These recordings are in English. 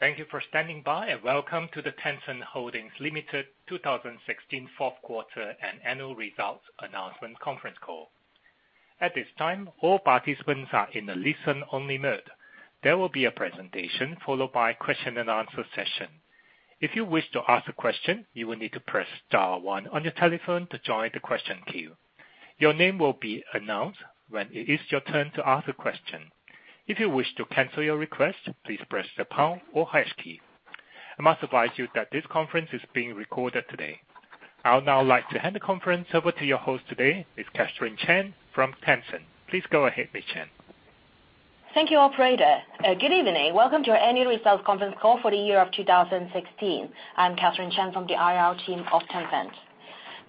Thank you for standing by, welcome to the Tencent Holdings Limited 2016 fourth quarter and annual results announcement conference call. At this time, all participants are in a listen-only mode. There will be a presentation followed by question and answer session. If you wish to ask a question, you will need to press star one on your telephone to join the question queue. Your name will be announced when it is your turn to ask a question. If you wish to cancel your request, please press the pound or hash key. I must advise you that this conference is being recorded today. I would now like to hand the conference over to your host today, Ms. Catherine Chan from Tencent. Please go ahead, Ms. Chan. Thank you, operator. Good evening. Welcome to our annual results conference call for the year of 2016. I'm Catherine Chan from the IR team of Tencent.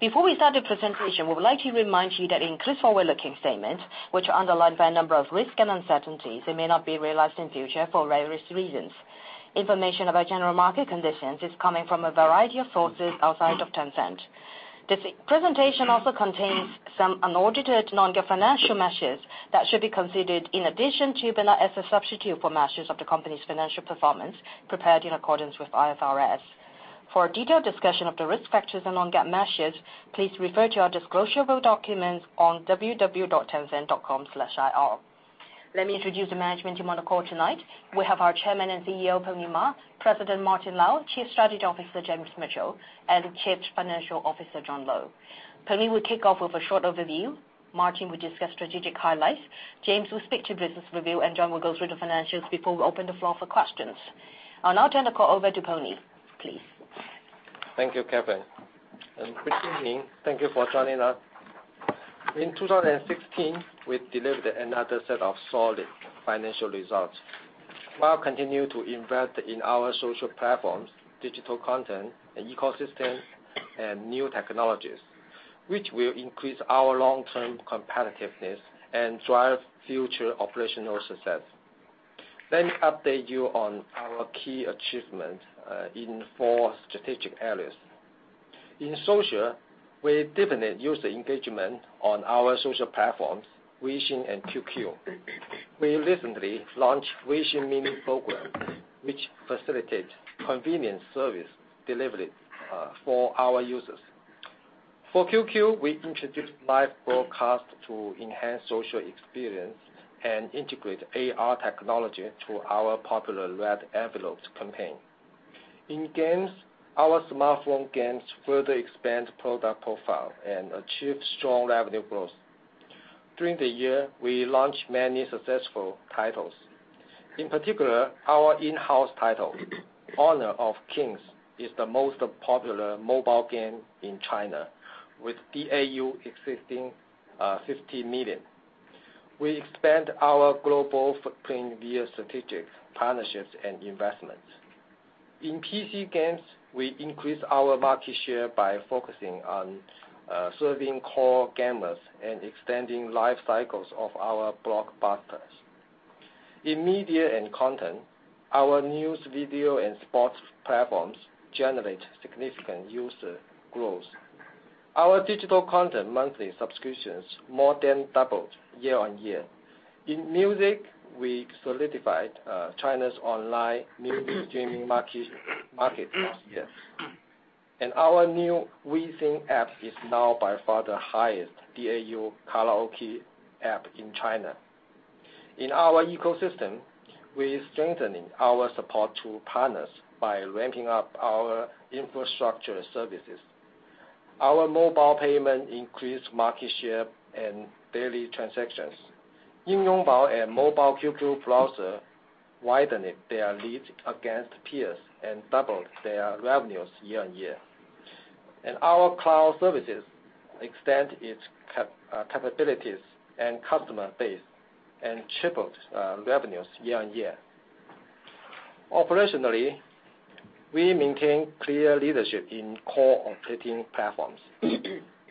Before we start the presentation, we would like to remind you that it includes forward-looking statements, which are underlined by a number of risks and uncertainties and may not be realized in future for various reasons. Information about general market conditions is coming from a variety of sources outside of Tencent. This presentation also contains some unaudited Non-GAAP financial measures that should be considered in addition to but as a substitute for measures of the company's financial performance prepared in accordance with IFRS. For a detailed discussion of the risk factors and Non-GAAP measures, please refer to our disclosure of documents on www.tencent.com/ir. Let me introduce the management team on the call tonight. We have our Chairman and CEO, Pony Ma, President Martin Lau, Chief Strategy Officer James Mitchell, and Chief Financial Officer John Lo. Pony will kick off with a short overview. Martin will discuss strategic highlights, James will speak to business review, John will go through the financials before we open the floor for questions. I'll now turn the call over to Pony, please. Thank you, Catherine, good evening. Thank you for joining us. In 2016, we delivered another set of solid financial results, while continuing to invest in our social platforms, digital content, and ecosystem, and new technologies, which will increase our long-term competitiveness and drive future operational success. Let me update you on our key achievements in four strategic areas. In social, we deepened user engagement on our social platforms, Weixin and QQ. We recently launched Weixin Mini Program, which facilitates convenient service delivery for our users. For QQ, we introduced live broadcast to enhance social experience and integrate AR technology to our popular Red Envelope campaign. In games, our smartphone games further expand product profile and achieve strong revenue growth. During the year, we launched many successful titles. In particular, our in-house title, Honor of Kings, is the most popular mobile game in China, with DAU exceeding 50 million. We expand our global footprint via strategic partnerships and investments. In PC games, we increase our market share by focusing on serving core gamers and extending life cycles of our blockbusters. In media and content, our news, video, and sports platforms generate significant user growth. Our digital content monthly subscriptions more than doubled year-on-year. Our new WeSing app is now by far the highest DAU karaoke app in China. In our ecosystem, we are strengthening our support to partners by ramping up our infrastructure services. Our mobile payment increased market share and daily transactions. Ying Yong Bao and Mobile QQ Browser widened their lead against peers and doubled their revenues year-on-year. Our cloud services extend its capabilities and customer base and tripled revenues year-on-year. Operationally, we maintain clear leadership in core operating platforms.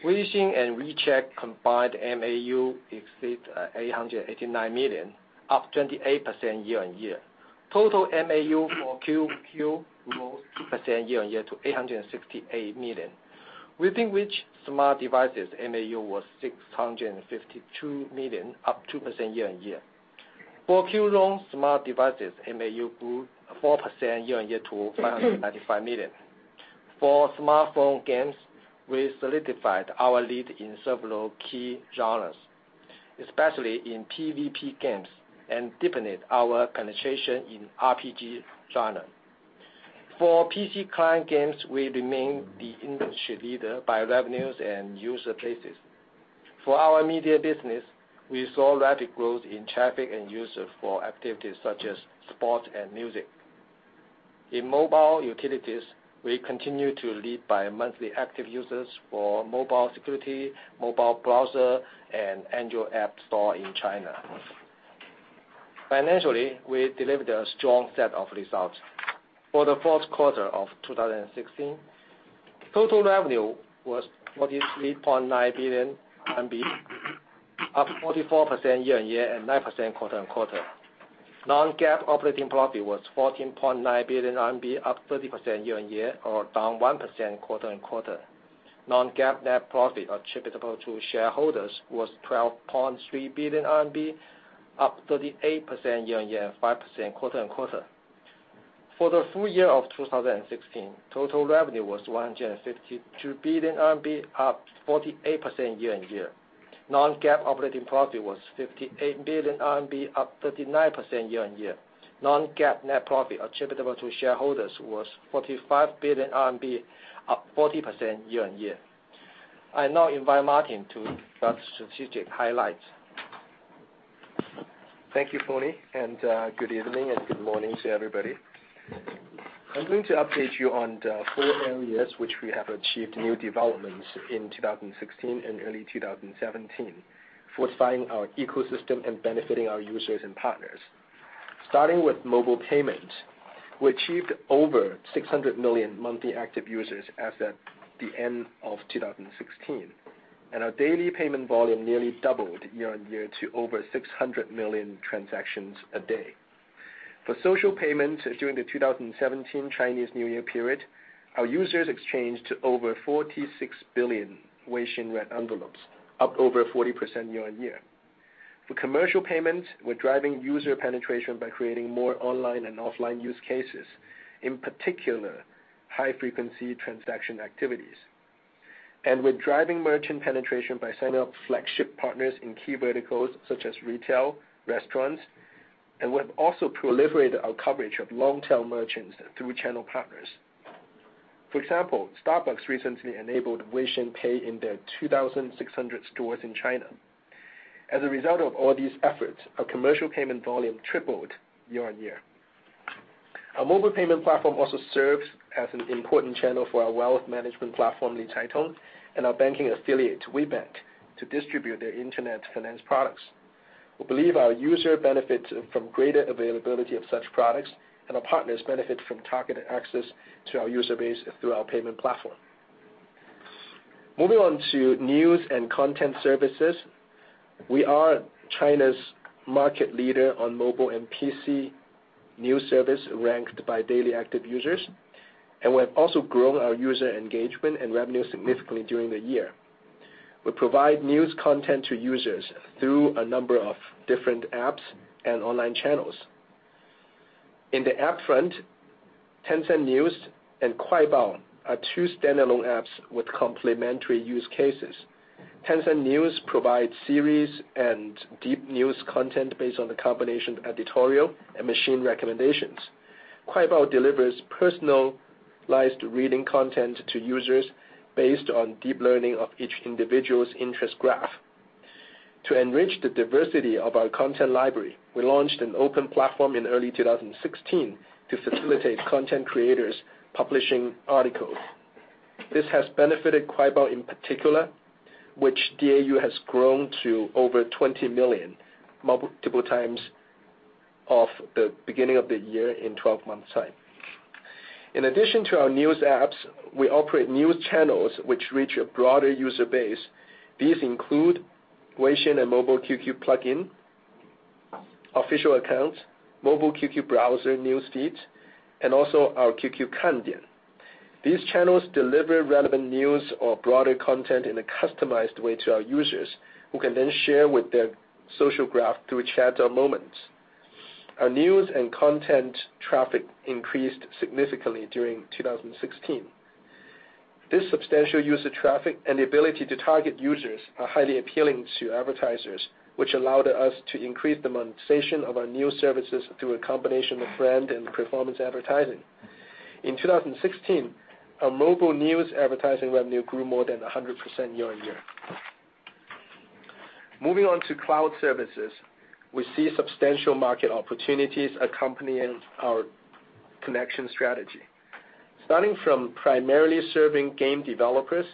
Weixin and WeChat combined MAU exceeds 889 million, up 28% year-on-year. Total MAU for QQ grows 2% year-on-year to 868 million, within which smart devices MAU was 652 million, up 2% year-on-year. For QQ smart devices, MAU grew 4% year-on-year to 595 million. For smartphone games, we solidified our lead in several key genres, especially in PVP games, and deepened our penetration in RPG genre. For PC client games, we remain the industry leader by revenues and user bases. For our media business, we saw rapid growth in traffic and users for activities such as sports and music. In mobile utilities, we continue to lead by monthly active users for mobile security, mobile browser, and Android app store in China. Financially, we delivered a strong set of results. For the fourth quarter of 2016, total revenue was 43.9 billion RMB, up 44% year-on-year and 9% quarter-on-quarter. Non-GAAP operating profit was 14.9 billion RMB, up 30% year-on-year or down 1% quarter-on-quarter. Non-GAAP net profit attributable to shareholders was 12.3 billion RMB, up 38% year-on-year, and 5% quarter-on-quarter. For the full year of 2016, total revenue was 152 billion RMB, up 48% year-on-year. Non-GAAP operating profit was 58 billion RMB, up 39% year-on-year. Non-GAAP net profit attributable to shareholders was 45 billion RMB, up 40% year-on-year. I now invite Martin to discuss strategic highlights. Thank you, Pony, good evening and good morning to everybody. I am going to update you on the four areas which we have achieved new developments in 2016 and early 2017, fortifying our ecosystem and benefiting our users and partners. Starting with mobile payments, we achieved over 600 million monthly active users as at the end of 2016, and our daily payment volume nearly doubled year-on-year to over 600 million transactions a day. For social payments during the 2017 Chinese New Year period, our users exchanged over 46 billion Weixin Red Envelopes, up over 40% year-on-year. For commercial payments, we are driving user penetration by creating more online and offline use cases, in particular, high-frequency transaction activities. We are driving merchant penetration by signing up flagship partners in key verticals such as retail, restaurants, and we have also proliferated our coverage of long-tail merchants through channel partners. For example, Starbucks recently enabled Weixin Pay in their 2,600 stores in China. As a result of all these efforts, our commercial payment volume tripled year-on-year. Our mobile payment platform also serves as an important channel for our wealth management platform, Li Cai Tong, and our banking affiliate, WeBank, to distribute their Internet finance products. We believe our user benefits from greater availability of such products, and our partners benefit from targeted access to our user base through our payment platform. Moving on to news and content services, we are China's market leader on mobile and PC news service ranked by daily active users, and we have also grown our user engagement and revenue significantly during the year. We provide news content to users through a number of different apps and online channels. In the app front, Tencent News and Kuaibao are two standalone apps with complementary use cases. Tencent News provides series and deep news content based on the combination of editorial and machine recommendations. Kuaibao delivers personalized reading content to users based on deep learning of each individual's interest graph. To enrich the diversity of our content library, we launched an open platform in early 2016 to facilitate content creators publishing articles. This has benefited Kuaibao in particular, which DAU has grown to over 20 million, multiple times of the beginning of the year in 12 months' time. In addition to our news apps, we operate news channels which reach a broader user base. These include Weixin and Mobile QQ plug-in, official accounts, Mobile QQ Browser news feeds, and also our QQ Kandian. These channels deliver relevant news or broader content in a customized way to our users, who can then share with their social graph through chat or Moments. Our news and content traffic increased significantly during 2016. This substantial user traffic and the ability to target users are highly appealing to advertisers, which allowed us to increase the monetization of our news services through a combination of brand and performance advertising. In 2016, our mobile news advertising revenue grew more than 100% year-on-year. Moving on to cloud services, we see substantial market opportunities accompanying our connection strategy. Starting from primarily serving game developers,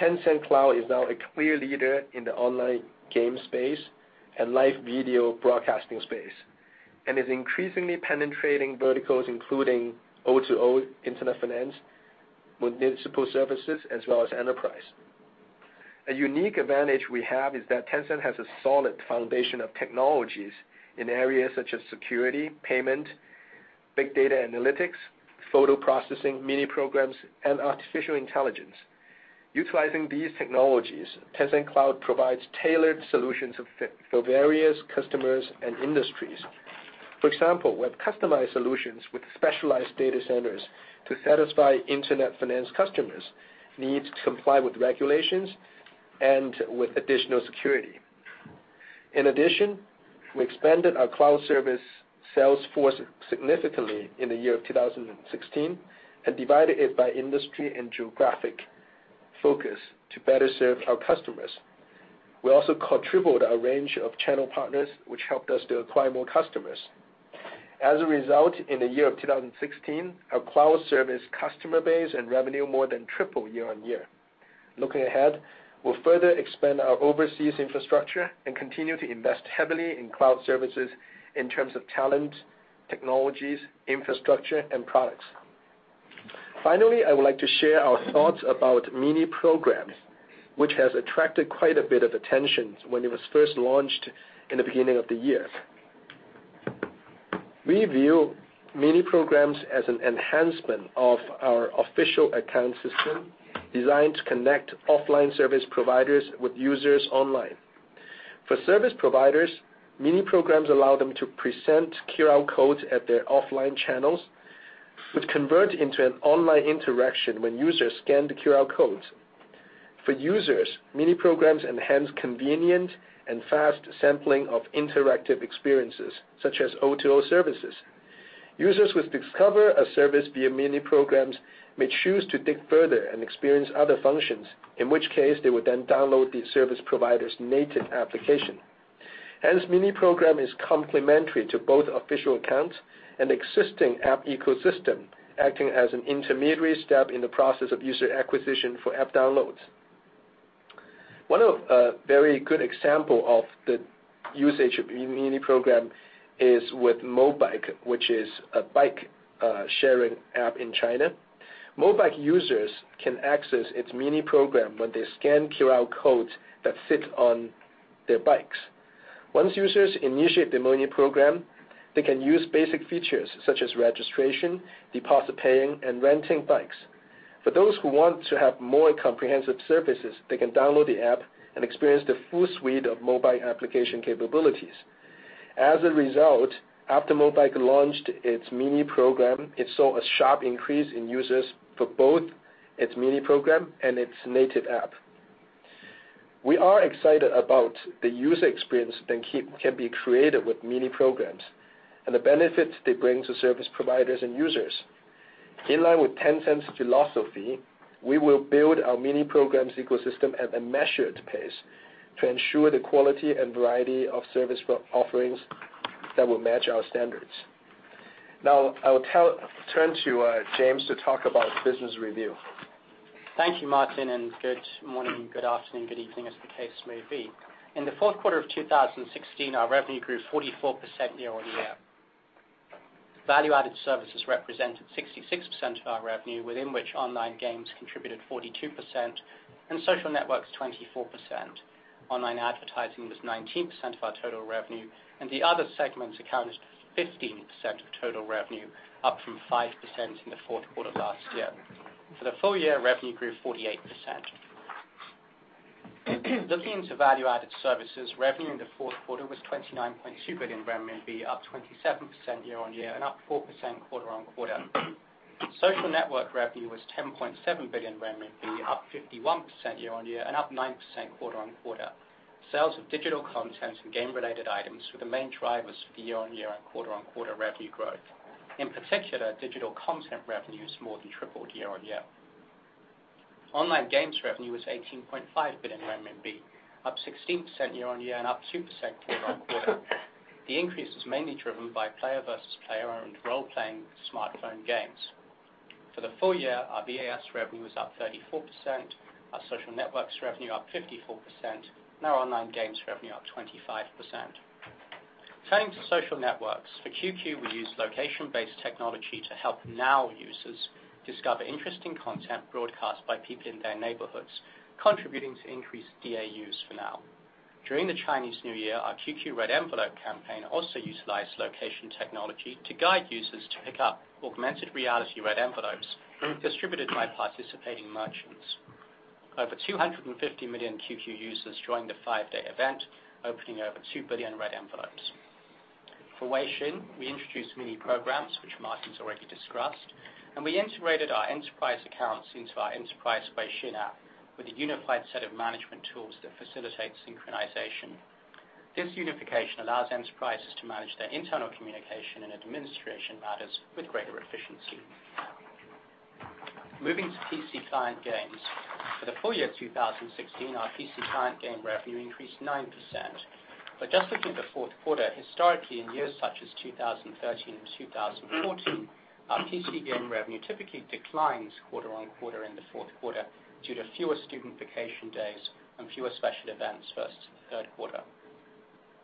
Tencent Cloud is now a clear leader in the online game space and live video broadcasting space, and is increasingly penetrating verticals including O2O, Internet finance, municipal services, as well as enterprise. A unique advantage we have is that Tencent has a solid foundation of technologies in areas such as security, payment, big data analytics, photo processing, Mini Programs, and artificial intelligence. Utilizing these technologies, Tencent Cloud provides tailored solutions for various customers and industries. For example, we have customized solutions with specialized data centers to satisfy Internet finance customers' needs to comply with regulations and with additional security. In addition, we expanded our cloud service sales force significantly in the year of 2016 and divided it by industry and geographic focus to better serve our customers. We also quadrupled our range of channel partners, which helped us to acquire more customers. As a result, in the year of 2016, our cloud service customer base and revenue more than tripled year-on-year. Looking ahead, we'll further expand our overseas infrastructure and continue to invest heavily in cloud services in terms of talent, technologies, infrastructure, and products. Finally, I would like to share our thoughts about Mini Programs, which has attracted quite a bit of attention when it was first launched in the beginning of the year. We view Mini Programs as an enhancement of our official account system, designed to connect offline service providers with users online. For service providers, Mini Programs allow them to present QR codes at their offline channels, which convert into an online interaction when users scan the QR codes. For users, Mini Programs enhance convenient and fast sampling of interactive experiences, such as O2O services. Users who discover a service via Mini Programs may choose to dig further and experience other functions, in which case they would then download the service provider's native application. Hence, Mini Program is complementary to both official accounts and existing app ecosystem, acting as an intermediary step in the process of user acquisition for app downloads. One of a very good example of the usage of Mini Program is with Mobike, which is a bike-sharing app in China. Mobike users can access its Mini Program when they scan QR codes that sit on their bikes. Once users initiate the Mini Program, they can use basic features such as registration, deposit paying, and renting bikes. For those who want to have more comprehensive services, they can download the app and experience the full suite of Mobike application capabilities. As a result, after Mobike launched its Mini Program, it saw a sharp increase in users for both its Mini Program and its native app. We are excited about the user experience that can be created with Mini Programs, and the benefits they bring to service providers and users. In line with Tencent's philosophy, we will build our Mini Programs ecosystem at a measured pace to ensure the quality and variety of service offerings that will match our standards. Now I will turn to James to talk about business review. Thank you, Martin, good morning, good afternoon, good evening, as the case may be. In the fourth quarter of 2016, our revenue grew 44% year-on-year. Value-added services represented 66% of our revenue, within which online games contributed 42% and social networks 24%. Online advertising was 19% of our total revenue, and the other segments accounted for 15% of total revenue, up from 5% in the fourth quarter last year. For the full year, revenue grew 48%. Looking to value-added services, revenue in the fourth quarter was 29.2 billion RMB, up 27% year-on-year and up 4% quarter-on-quarter. Social network revenue was 10.7 billion RMB, up 51% year-on-year and up 9% quarter-on-quarter. Sales of digital content and game-related items were the main drivers for year-on-year and quarter-on-quarter revenue growth. In particular, digital content revenues more than tripled year-on-year. Online games revenue was 18.5 billion RMB, up 16% year-on-year and up 2% quarter-on-quarter. The increase was mainly driven by player versus player and role-playing smartphone games. For the full year, our VAS revenue was up 34%, our social networks revenue up 54%, and our online games revenue up 25%. Turning to social networks. For QQ, we used location-based technology to help NOW users discover interesting content broadcast by people in their neighborhoods, contributing to increased DAUs for NOW. During the Chinese New Year, our QQ Red Envelope campaign also utilized location technology to guide users to pick up augmented reality Red Envelopes distributed by participating merchants. Over 250 million QQ users joined the five-day event, opening over 2 billion Red Envelopes. For Weixin, we introduced Mini Programs, which Martin's already discussed, and we integrated our enterprise accounts into our Enterprise Weixin app with a unified set of management tools that facilitate synchronization. This unification allows enterprises to manage their internal communication and administration matters with greater efficiency. Moving to PC client games. For the full year 2016, our PC client game revenue increased 9%. Just looking at the fourth quarter, historically in years such as 2013 and 2014, our PC game revenue typically declines quarter-on-quarter in the fourth quarter due to fewer student vacation days and fewer special events versus the third quarter.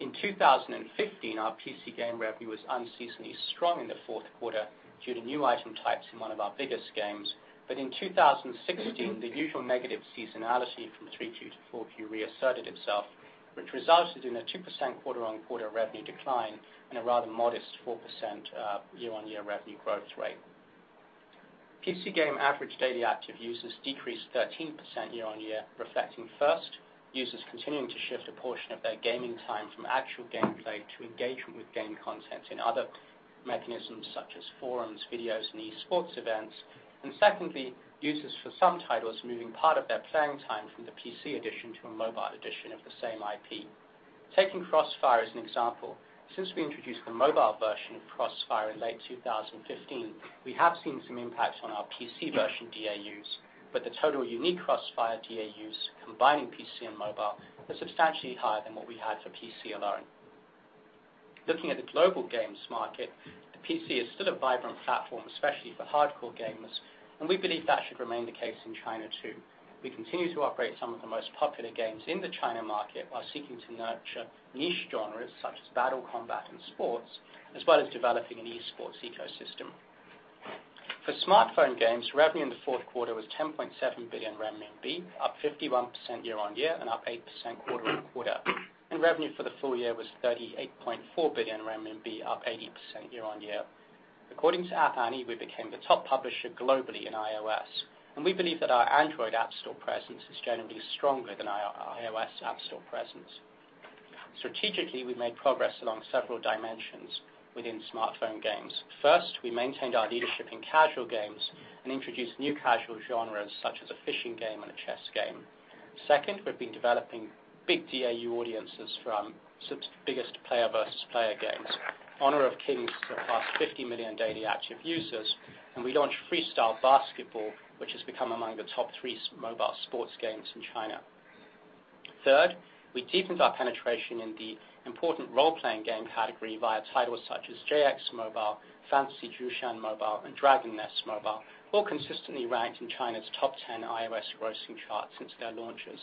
In 2015, our PC game revenue was unseasonably strong in the fourth quarter due to new item types in one of our biggest games. In 2016, the usual negative seasonality from 3Q to 4Q reasserted itself, which resulted in a 2% quarter-on-quarter revenue decline and a rather modest 4% year-on-year revenue growth rate. PC game average daily active users decreased 13% year-on-year, reflecting first, users continuing to shift a portion of their gaming time from actual gameplay to engagement with game content in other mechanisms such as forums, videos, and esports events. Secondly, users for some titles moving part of their playing time from the PC edition to a mobile edition of the same IP. Taking CrossFire as an example. Since we introduced the mobile version of CrossFire in late 2015, we have seen some impact on our PC version DAUs, but the total unique CrossFire DAUs, combining PC and mobile, are substantially higher than what we had for PC alone. Looking at the global games market, the PC is still a vibrant platform, especially for hardcore gamers, and we believe that should remain the case in China too. We continue to operate some of the most popular games in the China market while seeking to nurture niche genres such as battle combat and sports, as well as developing an esports ecosystem. For smartphone games, revenue in the fourth quarter was 10.7 billion renminbi, up 51% year-on-year and up 8% quarter-on-quarter. Revenue for the full year was 38.4 billion RMB, up 80% year-on-year. According to App Annie, we became the top publisher globally in iOS, and we believe that our Android app store presence is generally stronger than our iOS app store presence. Strategically, we've made progress along several dimensions within smartphone games. First, we maintained our leadership in casual games and introduced new casual genres such as a fishing game and a chess game. Second, we've been developing big DAU audiences from biggest player versus player games. Honor of Kings saw plus 50 million daily active users, and we launched Freestyle Basketball, which has become among the top three mobile sports games in China. Third, we deepened our penetration in the important role-playing game category via titles such as JX Mobile, Fantasy Zhuxian Mobile, and Dragon Nest Mobile, all consistently ranked in China's top 10 iOS grossing charts since their launches.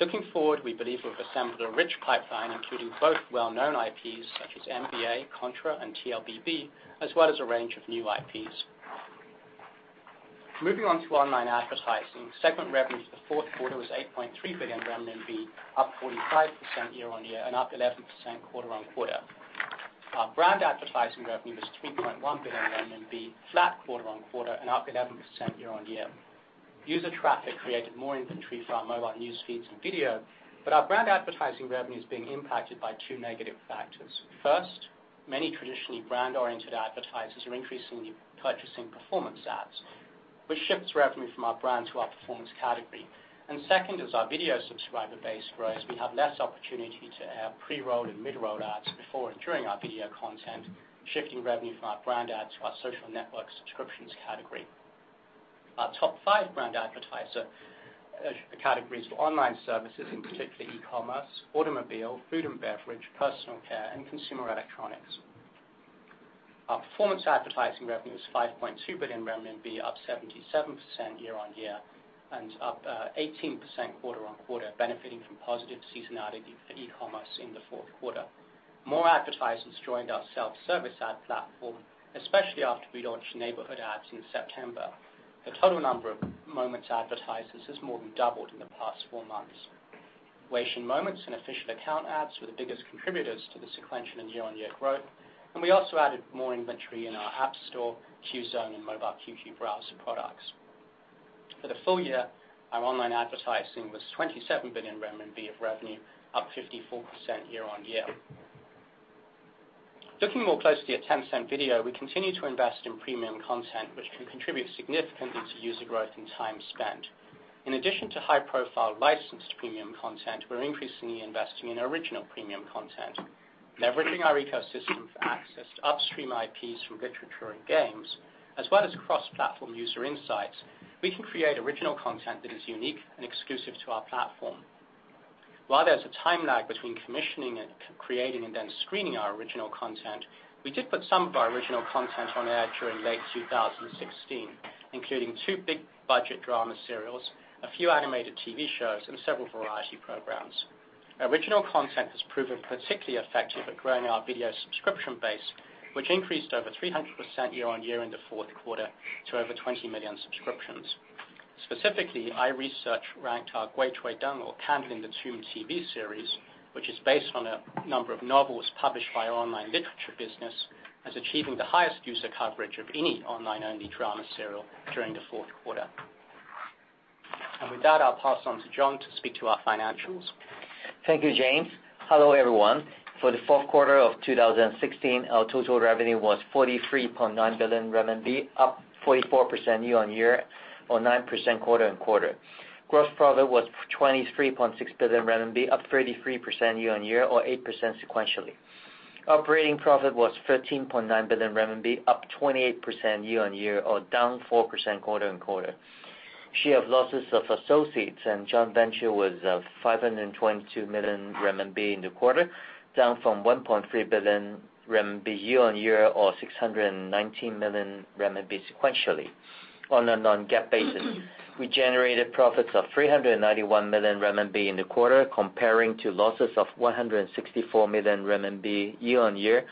Looking forward, we believe we've assembled a rich pipeline, including both well-known IPs such as NBA, Contra, and TLBB, as well as a range of new IPs. Moving on to online advertising. Segment revenue for the fourth quarter was 8.3 billion RMB, up 45% year-on-year and up 11% quarter-on-quarter. Our brand advertising revenue was 3.1 billion, flat quarter-on-quarter and up 11% year-on-year. User traffic created more inventory for our mobile news feeds and video, our brand advertising revenue is being impacted by two negative factors. First, many traditionally brand-oriented advertisers are increasingly purchasing performance ads, which shifts revenue from our brand to our performance category. Second is our video subscriber base growth. We have less opportunity to have pre-roll and mid-roll ads before and during our video content, shifting revenue from our brand ads to our social network subscriptions category. Our top five brand advertiser categories were online services, in particular e-commerce, automobile, food and beverage, personal care, and consumer electronics. Our performance advertising revenue is 5.2 billion RMB, up 77% year-on-year and up 18% quarter-on-quarter, benefiting from positive seasonality for e-commerce in the fourth quarter. More advertisers joined our self-service ad platform, especially after we launched neighborhood ads in September. The total number of Moments advertisers has more than doubled in the past four months. Weixin Moments and official account ads were the biggest contributors to the sequential and year-on-year growth, we also added more inventory in our app store, Qzone, and mobile QQ Browser products. For the full year, our online advertising was 27 billion RMB of revenue, up 54% year-on-year. Looking more closely at Tencent Video, we continue to invest in premium content, which can contribute significantly to user growth and time spent. In addition to high-profile licensed premium content, we are increasingly investing in original premium content. Leveraging our ecosystem for access to upstream IPs from literature and games, as well as cross-platform user insights, we can create original content that is unique and exclusive to our platform. While there is a time lag between commissioning it, creating, and then screening our original content, we did put some of our original content on air during late 2016, including two big budget drama serials, a few animated TV shows, and several variety programs. Original content has proven particularly effective at growing our video subscription base, which increased over 300% year-on-year in the fourth quarter to over 20 million subscriptions. Specifically, iResearch ranked our Guichuideng or Candle in the Tomb TV series, which is based on a number of novels published by our online literature business, as achieving the highest user coverage of any online-only drama serial during the fourth quarter. With that, I will pass on to John to speak to our financials. Thank you, James. Hello, everyone. For the fourth quarter of 2016, our total revenue was 43.9 billion RMB, up 44% year-on-year or 9% quarter-on-quarter. Gross profit was 23.6 billion RMB, up 33% year-on-year or 8% sequentially. Operating profit was 13.9 billion RMB, up 28% year-on-year or down 4% quarter-on-quarter. Share of losses of associates and joint venture was 522 million RMB in the quarter, down from 1.3 billion RMB year-on-year, or 619 million RMB sequentially. On a non-GAAP basis, we generated profits of 391 million RMB in the quarter comparing to losses of 164 million RMB year-on-year,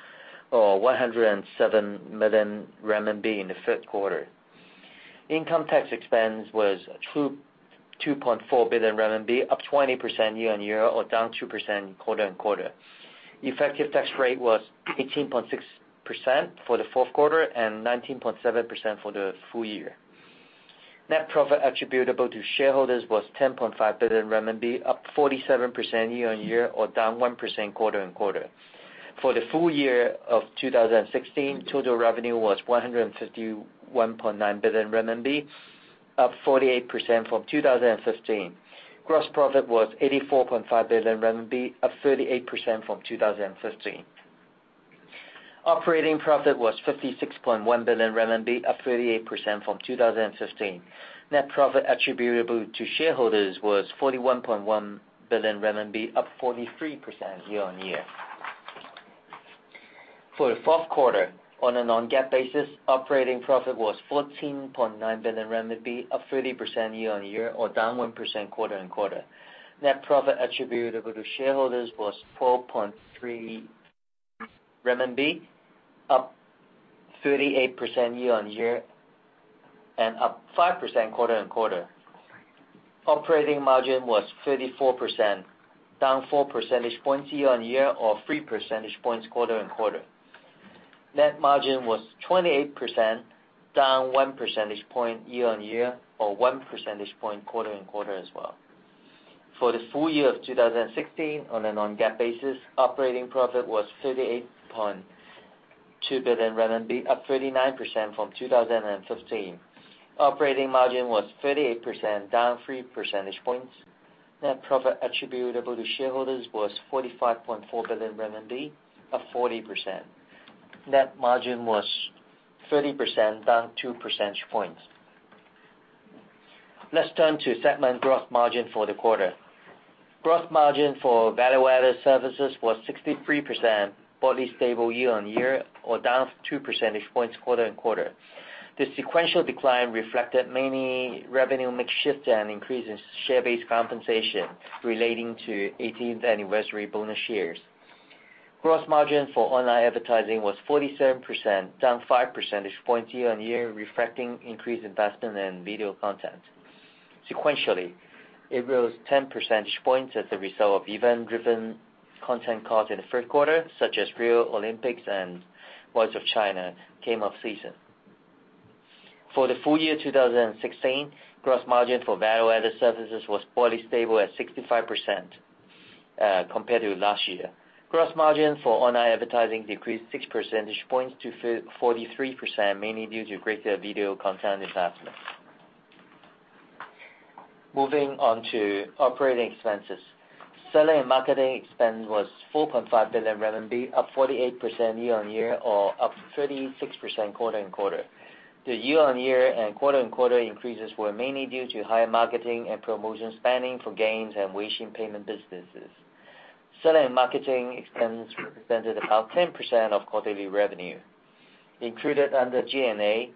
or 107 million RMB in the third quarter. Income tax expense was 2.4 billion RMB, up 20% year-on-year or down 2% quarter-on-quarter. Effective tax rate was 18.6% for the fourth quarter and 19.7% for the full year. Net profit attributable to shareholders was 10.5 billion RMB, up 47% year-on-year or down 1% quarter-on-quarter. For the full year of 2016, total revenue was 151.9 billion renminbi, up 48% from 2015. Gross profit was 84.5 billion RMB, up 38% from 2015. Operating profit was 56.1 billion renminbi, up 38% from 2015. Net profit attributable to shareholders was 41.1 billion renminbi, up 43% year-on-year. For the fourth quarter, on a non-GAAP basis, operating profit was 14.9 billion RMB, up 30% year-on-year or down 1% quarter-on-quarter. Net profit attributable to shareholders was 4.3 RMB, up 38% year-on-year and up 5% quarter-on-quarter. Operating margin was 34%, down four percentage points year-on-year or three percentage points quarter-on-quarter. Net margin was 28%, down one percentage point year-on-year or one percentage point quarter-on-quarter as well. For the full year of 2016, on a non-GAAP basis, operating profit was 38.2 billion renminbi, up 39% from 2015. Operating margin was 38%, down three percentage points. Net profit attributable to shareholders was 45.4 billion RMB, up 40%. Net margin was 30%, down two percentage points. Let's turn to segment gross margin for the quarter. Gross margin for value-added services was 63%, broadly stable year-on-year or down two percentage points quarter-on-quarter. The sequential decline reflected mainly revenue mix shift and increase in share-based compensation relating to 18th anniversary bonus shares. Gross margin for online advertising was 47%, down five percentage points year-on-year, reflecting increased investment in video content. Sequentially, it rose 10 percentage points as a result of event-driven content cost in the third quarter, such as Rio Olympics and The Voice of China came off season. For the full year 2016, gross margin for value-added services was broadly stable at 65% compared to last year. Gross margin for online advertising decreased six percentage points to 43%, mainly due to greater video content investment. Moving on to operating expenses. Selling and marketing expense was 4.5 billion RMB, up 48% year-on-year or up 36% quarter-on-quarter. The year-on-year and quarter-on-quarter increases were mainly due to higher marketing and promotion spending for games and Weixin payment businesses. Selling and marketing expense represented about 10% of quarterly revenue. Included under G&A,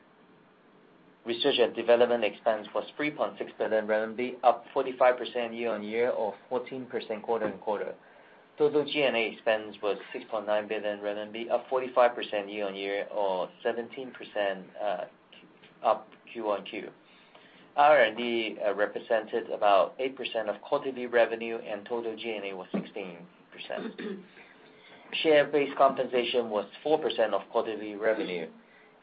research and development expense was 3.6 billion RMB, up 45% year-on-year or 14% quarter-on-quarter. Total G&A expense was 6.9 billion RMB, up 45% year-on-year or 17% up quarter-on-quarter. R&D represented about 8% of quarterly revenue, and total G&A was 16%. Share-based compensation was 4% of quarterly revenue.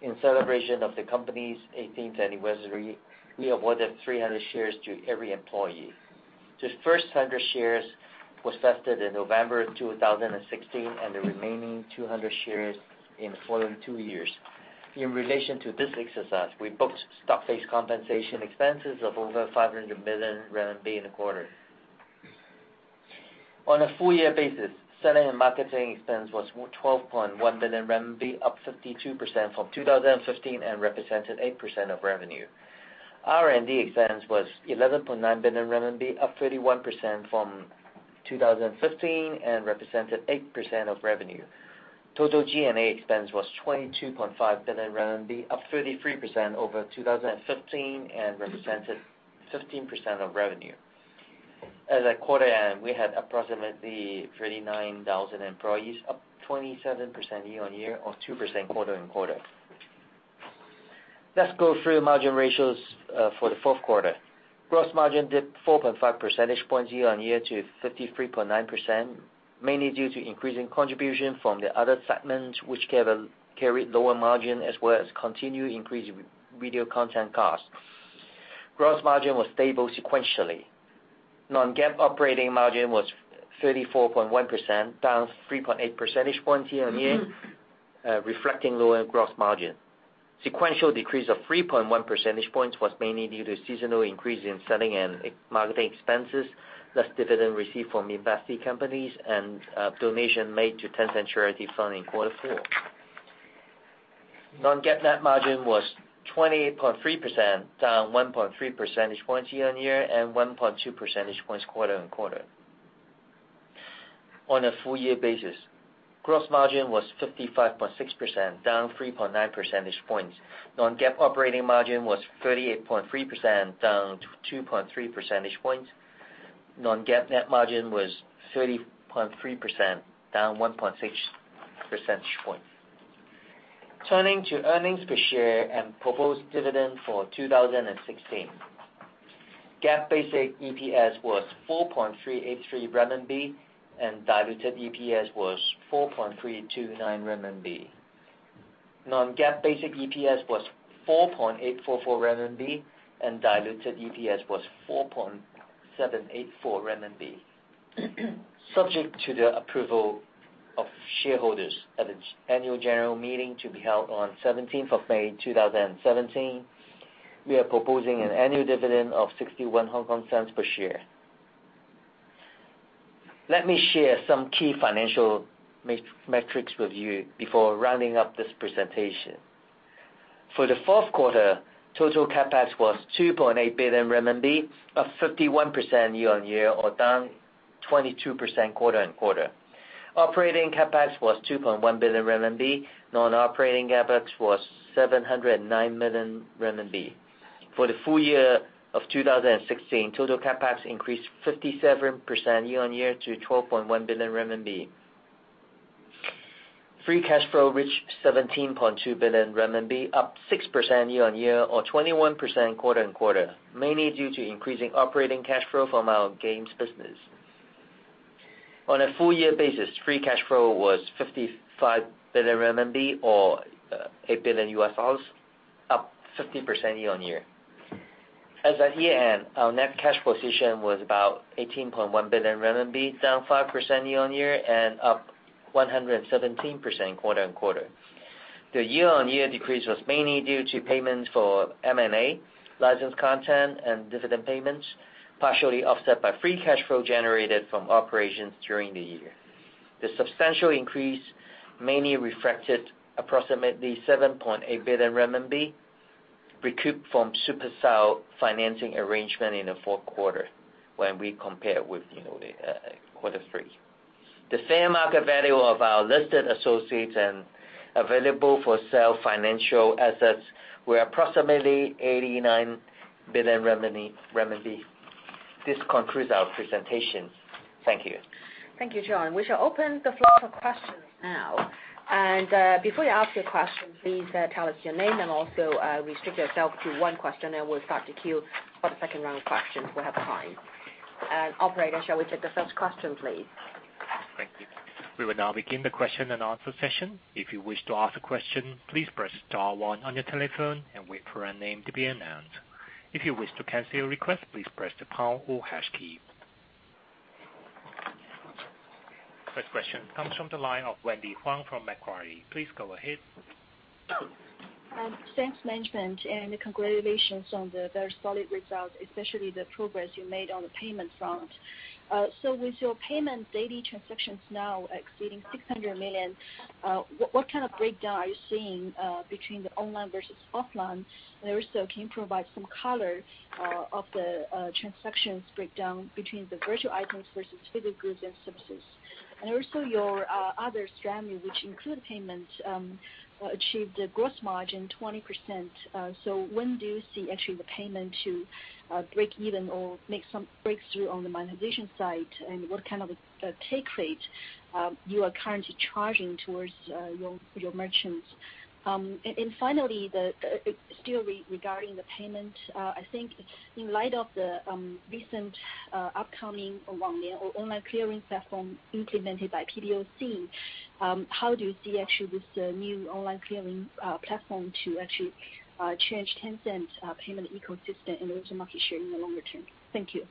In celebration of the company's 18th anniversary, we awarded 300 shares to every employee. The first 100 shares was vested in November 2016 and the remaining 200 shares in the following two years. In relation to this exercise, we booked stock-based compensation expenses of over 500 million RMB in the quarter. On a full year basis, selling and marketing expense was 12.1 billion RMB, up 52% from 2015 and represented 8% of revenue. R&D expense was 11.9 billion RMB, up 31% from 2015 and represented 8% of revenue. Total G&A expense was 22.5 billion RMB, up 33% over 2015 and represented 15% of revenue. As at quarter end, we had approximately 39,000 employees, up 27% year-on-year or 2% quarter-on-quarter. Let's go through margin ratios for the fourth quarter. Gross margin dipped 4.5 percentage points year-on-year to 53.9%, mainly due to increasing contribution from the other segments which carried lower margin as well as continued increased video content cost. Gross margin was stable sequentially. Non-GAAP operating margin was 34.1%, down 3.8 percentage points year-on-year, reflecting lower gross margin. Sequential decrease of 3.1 percentage points was mainly due to seasonal increase in selling and marketing expenses, less dividend received from invested companies and donation made to Tencent Charity Fund in quarter four. Non-GAAP net margin was 20.3%, down 1.3 percentage points year-on-year and 1.2 percentage points quarter-on-quarter. On a full year basis, gross margin was 55.6%, down 3.9 percentage points. Non-GAAP operating margin was 38.3%, down 2.3 percentage points. Non-GAAP net margin was 30.3%, down 1.6 percentage points. Turning to earnings per share and proposed dividend for 2016. GAAP basic EPS was 4.383 renminbi, and diluted EPS was 4.329 renminbi. Non-GAAP basic EPS was 4.844 renminbi, and diluted EPS was 4.784 renminbi. Subject to the approval of shareholders at its annual general meeting to be held on 17th of May 2017, we are proposing an annual dividend of 0.61 per share. Let me share some key financial metrics with you before rounding up this presentation. For the fourth quarter, total CapEx was 2.8 billion RMB, up 51% year-on-year or down 22% quarter-on-quarter. Operating CapEx was 2.1 billion RMB. Non-operating CapEx was 709 million RMB. For the full year of 2016, total CapEx increased 57% year-on-year to 12.1 billion renminbi. Free cash flow reached 17.2 billion renminbi, up 6% year-on-year or 21% quarter-on-quarter, mainly due to increasing operating cash flow from our games business. On a full year basis, free cash flow was 55 billion RMB or $8 billion, up 15% year-on-year. As at year-end, our net cash position was about 18.1 billion RMB, down 5% year-on-year and up 117% quarter-on-quarter. The year-on-year decrease was mainly due to payments for M&A, licensed content, and dividend payments, partially offset by free cash flow generated from operations during the year. The substantial increase mainly reflected approximately 7.8 billion renminbi recouped from Supercell financing arrangement in the fourth quarter when we compare with quarter three. The fair market value of our listed associates and available-for-sale financial assets were approximately 89 billion. This concludes our presentation. Thank you. Thank you, John. We shall open the floor for questions now. Before you ask your question, please tell us your name and also restrict yourself to one question, and we'll start the queue for the second round of questions if we have time. Operator, shall we take the first question, please? Thank you. We will now begin the question and answer session. If you wish to ask a question, please press star one on your telephone and wait for your name to be announced. If you wish to cancel your request, please press the pound or hash key. First question comes from the line of Wendy Huang from Macquarie. Please go ahead. Thanks, management. Congratulations on the very solid results, especially the progress you made on the payment front. With your payments daily transactions now exceeding 600 million, what kind of breakdown are you seeing between the online versus offline? Can you provide some color of the transactions breakdown between the virtual items versus physical goods and services? Your other strategy, which include payments, achieved a gross margin 20%. When do you see actually the payment to break even or make some breakthrough on the monetization side? What kind of a take rate you are currently charging towards your merchants? Finally, still regarding the payment, I think in light of the recent upcoming Wanglian or online clearing platform implemented by PBOC, how do you see actually this new online clearing platform to actually change Tencent's payment ecosystem and also market share in the longer term? Thank you.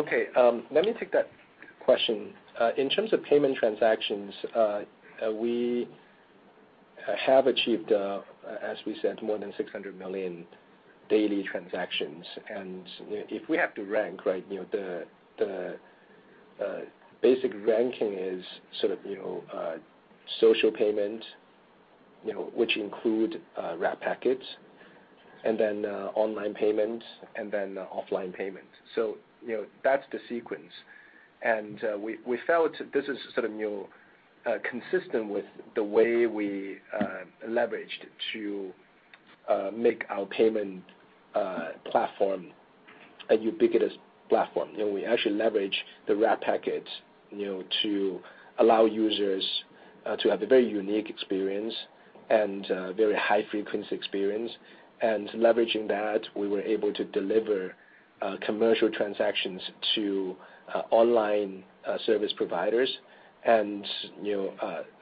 Okay. Let me take that question. In terms of payment transactions, we have achieved, as we said, more than 600 million daily transactions. If we have to rank, right, the basic ranking is sort of social payment, which include Red Envelopes, and then online payment, and then offline payment. That's the sequence. We felt this is sort of consistent with the way we leveraged to make our payment platform a ubiquitous platform. We actually leverage the Red Envelopes to allow users to have a very unique experience and a very high-frequency experience. Leveraging that, we were able to deliver commercial transactions to online service providers.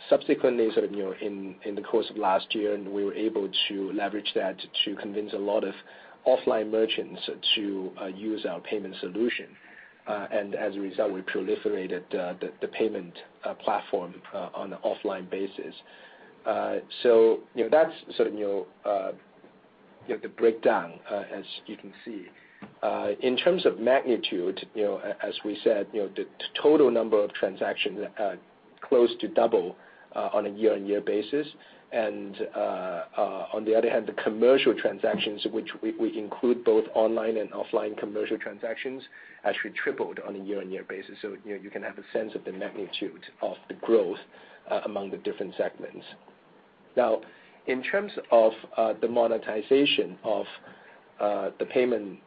Subsequently, sort of in the course of last year, and we were able to leverage that to convince a lot of offline merchants to use our payment solution. As a result, we proliferated the payment platform on an offline basis. That's sort of the breakdown, as you can see. In terms of magnitude, as we said, the total number of transactions close to double on a year-on-year basis. On the other hand, the commercial transactions, which we include both online and offline commercial transactions, actually tripled on a year-on-year basis. You can have a sense of the magnitude of the growth among the different segments. In terms of the monetization of the payment platform,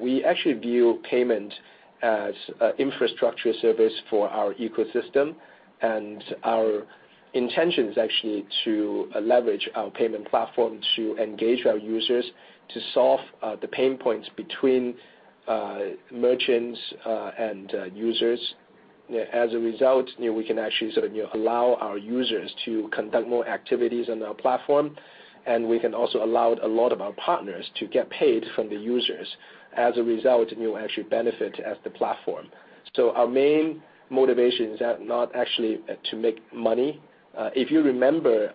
we actually view payment as an infrastructure service for our ecosystem, and our intention is actually to leverage our payment platform to engage our users to solve the pain points between merchants and users. As a result, we can actually sort of allow our users to conduct more activities on our platform, and we can also allow a lot of our partners to get paid from the users. As a result, you actually benefit as the platform. Our main motivation is that not actually to make money. If you remember,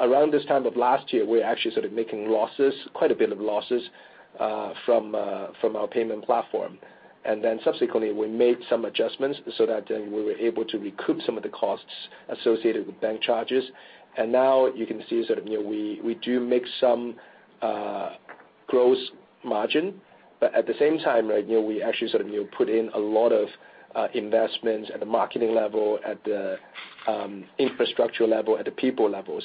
around this time of last year, we're actually sort of making losses, quite a bit of losses, from our payment platform. Subsequently, we made some adjustments so that then we were able to recoup some of the costs associated with bank charges. Now you can see sort of, we do make some gross margin. At the same time, we actually sort of put in a lot of investments at the marketing level, at the infrastructure level, at the people level.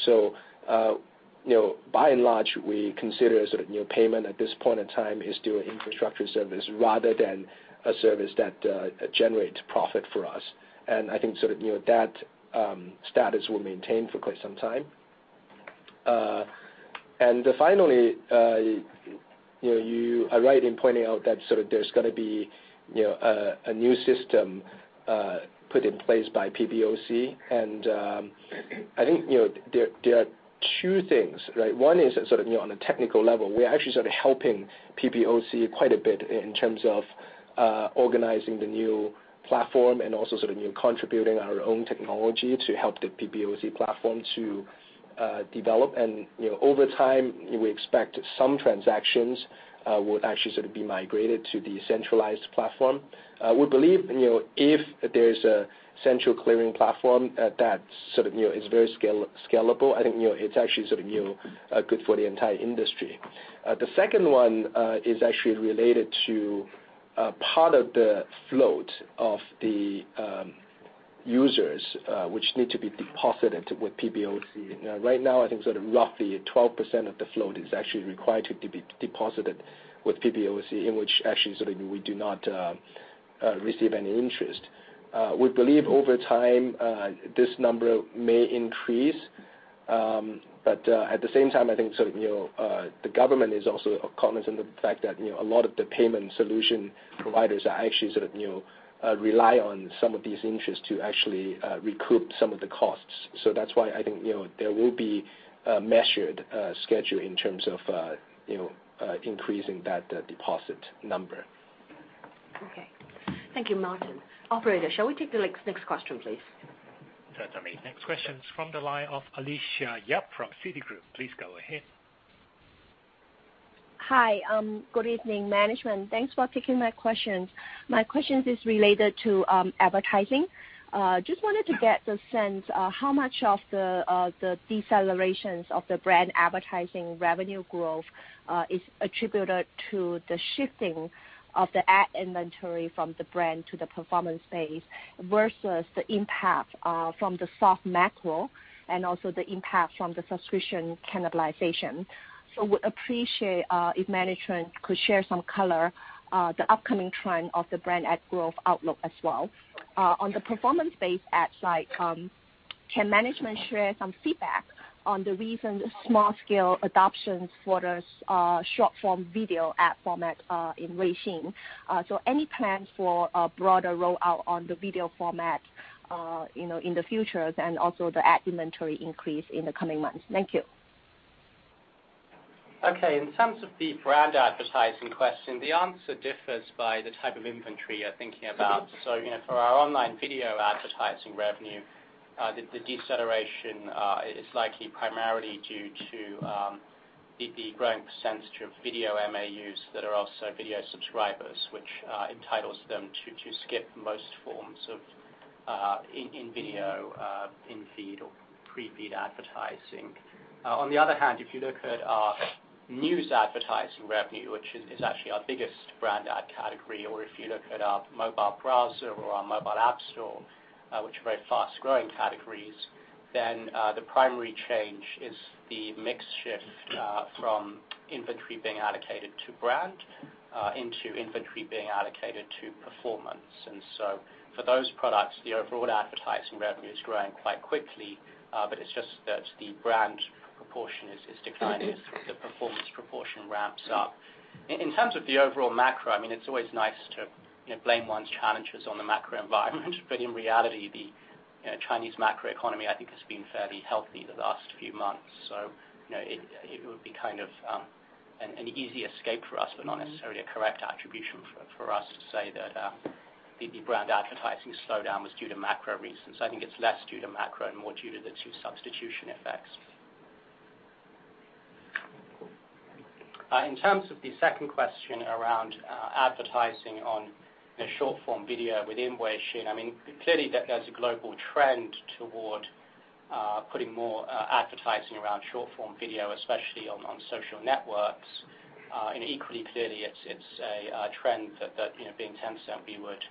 By and large, we consider payment at this point in time is still an infrastructure service rather than a service that generates profit for us. I think that status will maintain for quite some time. Finally, you are right in pointing out that there's going to be a new system put in place by PBOC. I think there are two things, right? One is on a technical level. We are actually helping PBOC quite a bit in terms of organizing the new platform and also contributing our own technology to help the PBOC platform to develop. Over time, we expect some transactions will actually be migrated to the centralized platform. We believe, if there's a central clearing platform that is very scalable, I think it's actually good for the entire industry. The second one is actually related to a part of the float of the users, which need to be deposited with PBOC. Right now, I think roughly 12% of the float is actually required to be deposited with PBOC, in which actually, we do not receive any interest. We believe over time, this number may increase. At the same time, I think the government is also cognizant of the fact that a lot of the payment solution providers are actually rely on some of this interest to actually recoup some of the costs. That's why I think there will be a measured schedule in terms of increasing that deposit number. Okay. Thank you, Martin. Operator, shall we take the next question, please? Certainly. Next question is from the line of Alicia Yap from Citigroup. Please go ahead. Hi. Good evening, management. Thanks for taking my questions. My questions is related to advertising. Just wanted to get the sense how much of the decelerations of the brand advertising revenue growth is attributed to the shifting of the ad inventory from the brand to the performance space versus the impact from the soft macro and also the impact from the subscription cannibalization. Would appreciate if management could share some color, the upcoming trend of the brand ad growth outlook as well. On the performance-based ad side, can management share some feedback on the recent small-scale adoptions for the short-form video ad format in Weixin? Any plans for a broader rollout on the video format in the future, and also the ad inventory increase in the coming months? Thank you. Okay. In terms of the brand advertising question, the answer differs by the type of inventory you're thinking about. For our online video advertising revenue, the deceleration is likely primarily due to the growing percentage of video MAUs that are also video subscribers, which entitles them to skip most forms of in-video, in-feed or pre-feed advertising. On the other hand, if you look at our news advertising revenue, which is actually our biggest brand ad category, or if you look at our mobile browser or our mobile app store, which are very fast-growing categories, then the primary change is the mix shift from inventory being allocated to brand into inventory being allocated to performance. For those products, the overall advertising revenue is growing quite quickly, but it's just that the brand proportion is declining as the performance proportion ramps up. In terms of the overall macro, it's always nice to blame one's challenges on the macro environment. In reality, the Chinese macro economy, I think, has been fairly healthy the last few months. It would be kind of an easy escape for us, but not necessarily a correct attribution for us to say that the brand advertising slowdown was due to macro reasons. I think it's less due to macro and more due to the two substitution effects. In terms of the second question around advertising on short-form video within Weixin, clearly there's a global trend toward putting more advertising around short-form video, especially on social networks. Equally clearly, it's a trend that, being Tencent, we would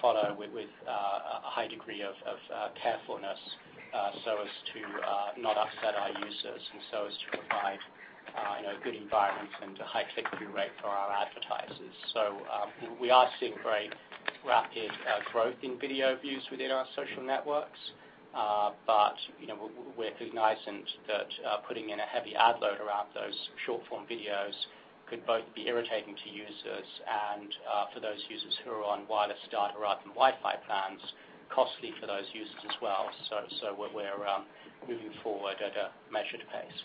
follow with a high degree of carefulness so as to not upset our users and so as to provide a good environment and a high click-through rate for our advertisers. We are seeing very rapid growth in video views within our social networks. We're cognizant that putting in a heavy ad load around those short-form videos could both be irritating to users and, for those users who are on wireless data rather than Wi-Fi plans, costly for those users as well. We're moving forward at a measured pace.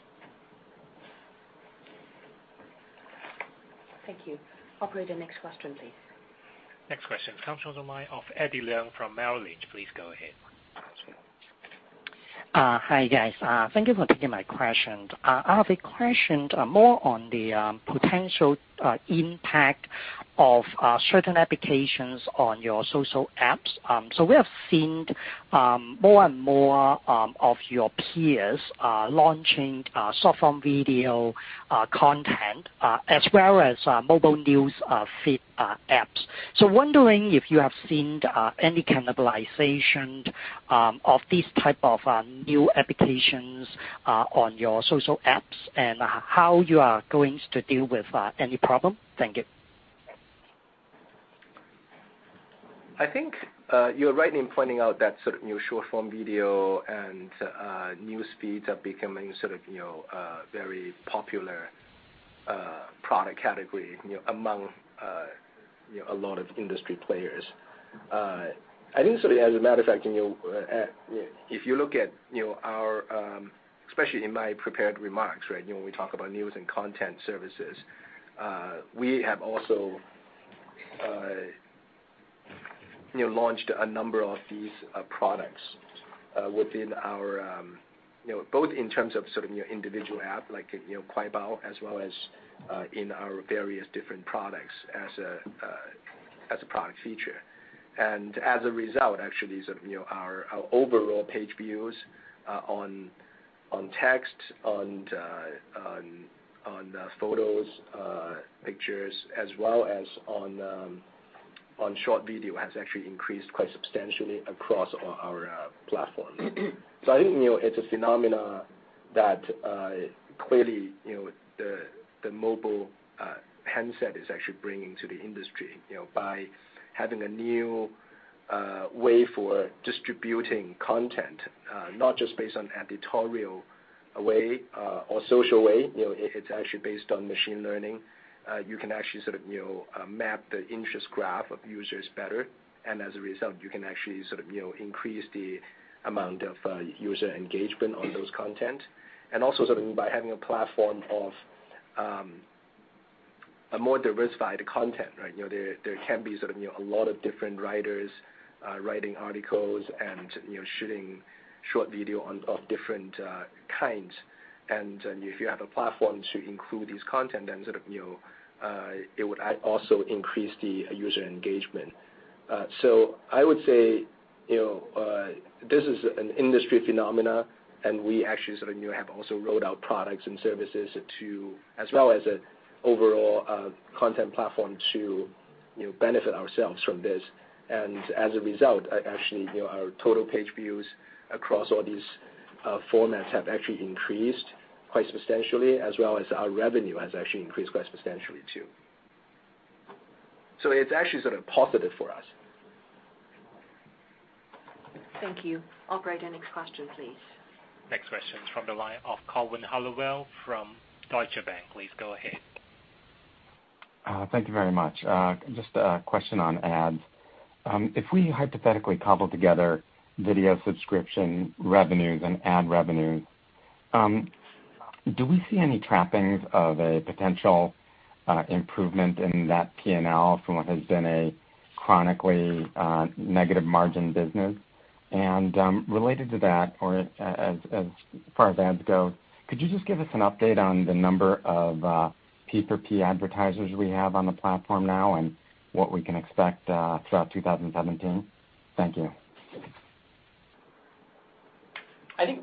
Thank you. Operator, next question, please. Next question comes from the line of Eddie Leung from Merrill Lynch. Please go ahead. Hi, guys. Thank you for taking my questions. I have a question more on the potential impact of certain applications on your social apps. We have seen more and more of your peers launching short-form video content as well as mobile news feed apps. Wondering if you have seen any cannibalization of these type of new applications on your social apps, and how you are going to deal with any problem. Thank you. I think you're right in pointing out that sort of new short-form video and news feeds are becoming sort of a very popular product category among a lot of industry players. I think as a matter of fact, if you look at, especially in my prepared remarks, when we talk about news and content services, we have also launched a number of these products within our. Both in terms of sort of individual app, like Kuaibao, as well as in our various different products as a product feature. As a result, actually, our overall page views on text, on photos, pictures, as well as on short video has actually increased quite substantially across our platforms. I think it's a phenomena that clearly the mobile handset is actually bringing to the industry by having a new way for distributing content, not just based on editorial way or social way. It's actually based on machine learning. You can actually sort of map the interest graph of users better, as a result, you can actually increase the amount of user engagement on those content. Also sort of by having a platform of a more diversified content, right? There can be sort of a lot of different writers writing articles and shooting short video of different kinds. If you have a platform to include these content, then sort of it would also increase the user engagement. I would say, this is an industry phenomena, we actually sort of have also rolled out products and services, as well as an overall content platform to benefit ourselves from this. As a result, actually, our total page views across all these formats have actually increased quite substantially, as well as our revenue has actually increased quite substantially, too. It's actually sort of positive for us. Thank you. Operator, next question, please. Next question is from the line of Colwyn Halliwell from Deutsche Bank. Please go ahead. Thank you very much. Just a question on ads. If we hypothetically cobbled together video subscription revenues and ad revenues, do we see any trappings of a potential improvement in that P&L from what has been a chronically negative margin business? Related to that, or as far as ads go, could you just give us an update on the number of P4P advertisers we have on the platform now, and what we can expect throughout 2017? Thank you. I think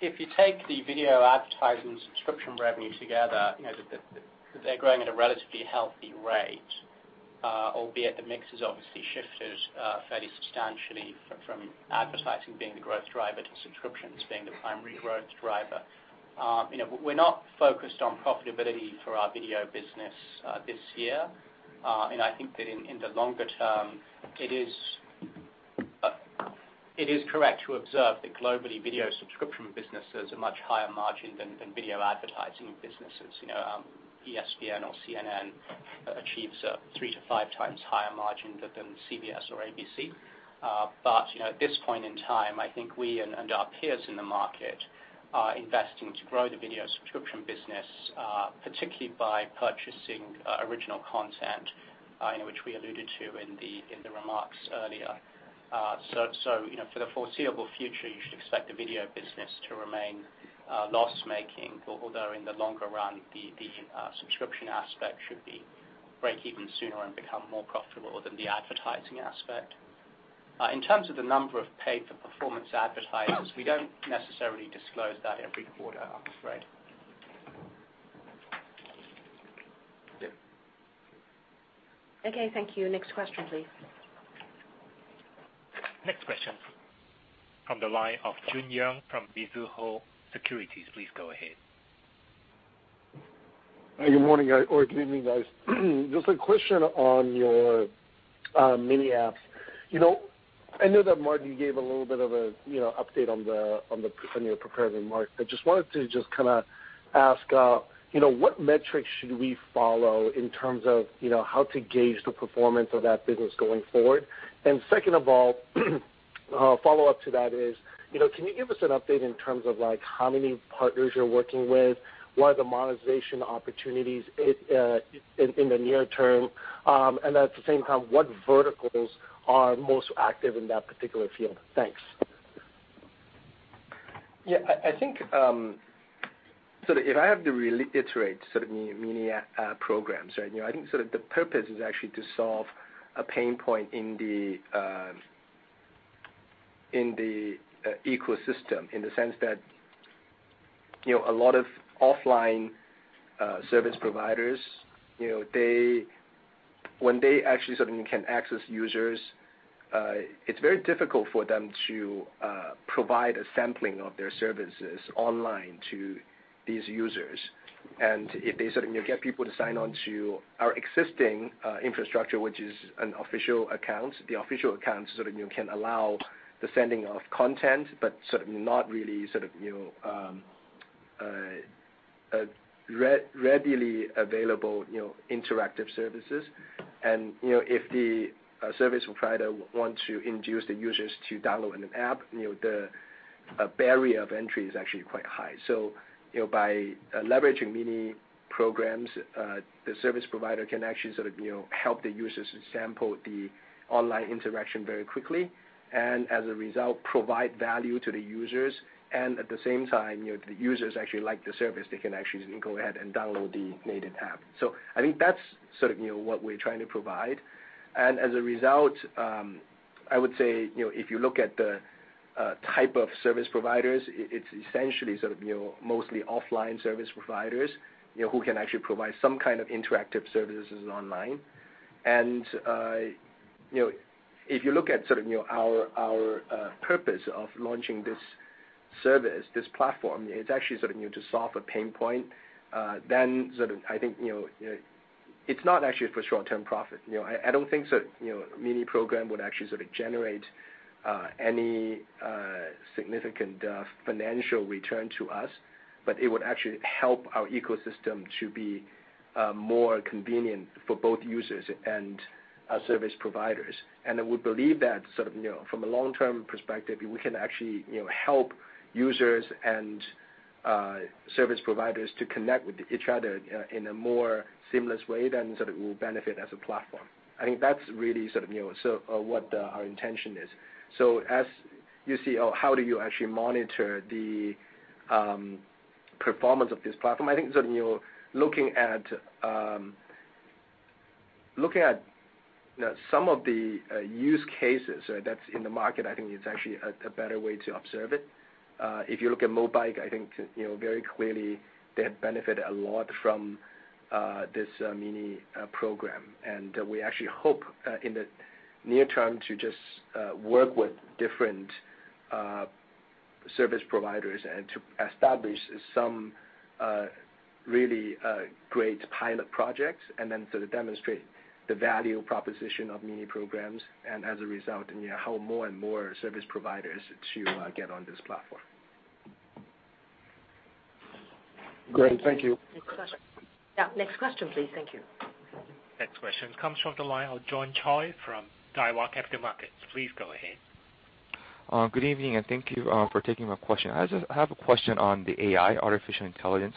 if you take the video advertising subscription revenue together, they're growing at a relatively healthy rate, albeit the mix has obviously shifted fairly substantially from advertising being the growth driver to subscriptions being the primary growth driver. I think that in the longer term, it is correct to observe that globally, video subscription business has a much higher margin than video advertising businesses. ESPN or CNN achieves a three to five times higher margin than CBS or ABC. At this point in time, I think we and our peers in the market are investing to grow the video subscription business, particularly by purchasing original content, which we alluded to in the remarks earlier. For the foreseeable future, you should expect the video business to remain loss-making, although in the longer run, the subscription aspect should break even sooner and become more profitable than the advertising aspect. In terms of the number of pay-for-performance advertisers, we don't necessarily disclose that every quarter. Right. Okay, thank you. Next question, please. Next question from the line of Gregory Zhao from Mizuho Securities. Please go ahead. Good morning, guys, or good evening, guys. Just a question on your Mini apps. I know that Martin gave a little bit of an update on your prepared remarks, but just wanted to just kind of ask, what metrics should we follow in terms of how to gauge the performance of that business going forward? Second of all, follow-up to that is, can you give us an update in terms of how many partners you're working with, what are the monetization opportunities in the near term, and at the same time, what verticals are most active in that particular field? Thanks. I think if I have to reiterate Mini Programs. I think the purpose is actually to solve a pain point in the ecosystem, in the sense that a lot of offline service providers, when they actually can access users, it's very difficult for them to provide a sampling of their services online to these users. If they get people to sign on to our existing infrastructure, which is an official account, the official account can allow the sending of content, but not really readily available interactive services. If the service provider wants to induce the users to download an app, the barrier of entry is actually quite high. By leveraging Mini Programs, the service provider can actually help the users sample the online interaction very quickly, and as a result, provide value to the users. At the same time, if the users actually like the service, they can actually then go ahead and download the native app. I think that's what we're trying to provide. As a result, I would say, if you look at the type of service providers, it's essentially mostly offline service providers, who can actually provide some kind of interactive services online. If you look at our purpose of launching this service, this platform, it's actually to solve a pain point, I think it's not actually for short-term profit. I don't think Mini Program would actually generate any significant financial return to us, but it would actually help our ecosystem to be more convenient for both users and service providers. We believe that from a long-term perspective, we can actually help users and service providers to connect with each other in a more seamless way, it will benefit as a platform. I think that's really what our intention is. As you see, how do you actually monitor the performance of this platform? I think looking at some of the use cases that's in the market, I think it's actually a better way to observe it. If you look at Mobike, I think very clearly they have benefited a lot from this Mini Program. We actually hope, in the near term, to just work with different service providers and to establish some really great pilot projects, demonstrate the value proposition of Mini Programs, and as a result, help more and more service providers to get on this platform. Great. Thank you. Next question. Next question, please. Thank you. Next question comes from the line of John Choi from Daiwa Capital Markets. Please go ahead. Good evening, and thank you for taking my question. I have a question on the AI, artificial intelligence.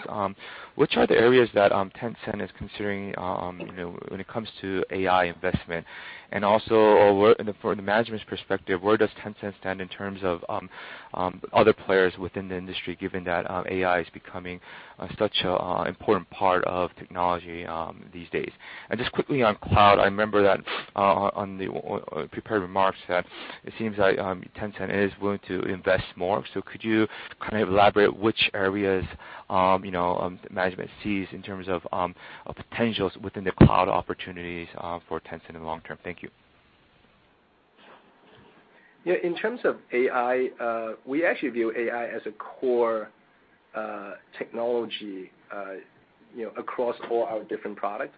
Which are the areas that Tencent is considering when it comes to AI investment? From the management's perspective, where does Tencent stand in terms of other players within the industry, given that AI is becoming such an important part of technology these days? Just quickly on cloud, I remember that on the prepared remarks that it seems like Tencent is willing to invest more. Could you kind of elaborate which areas management sees in terms of potentials within the cloud opportunities for Tencent in the long term? Thank you. In terms of AI, we actually view AI as a core technology across all our different products.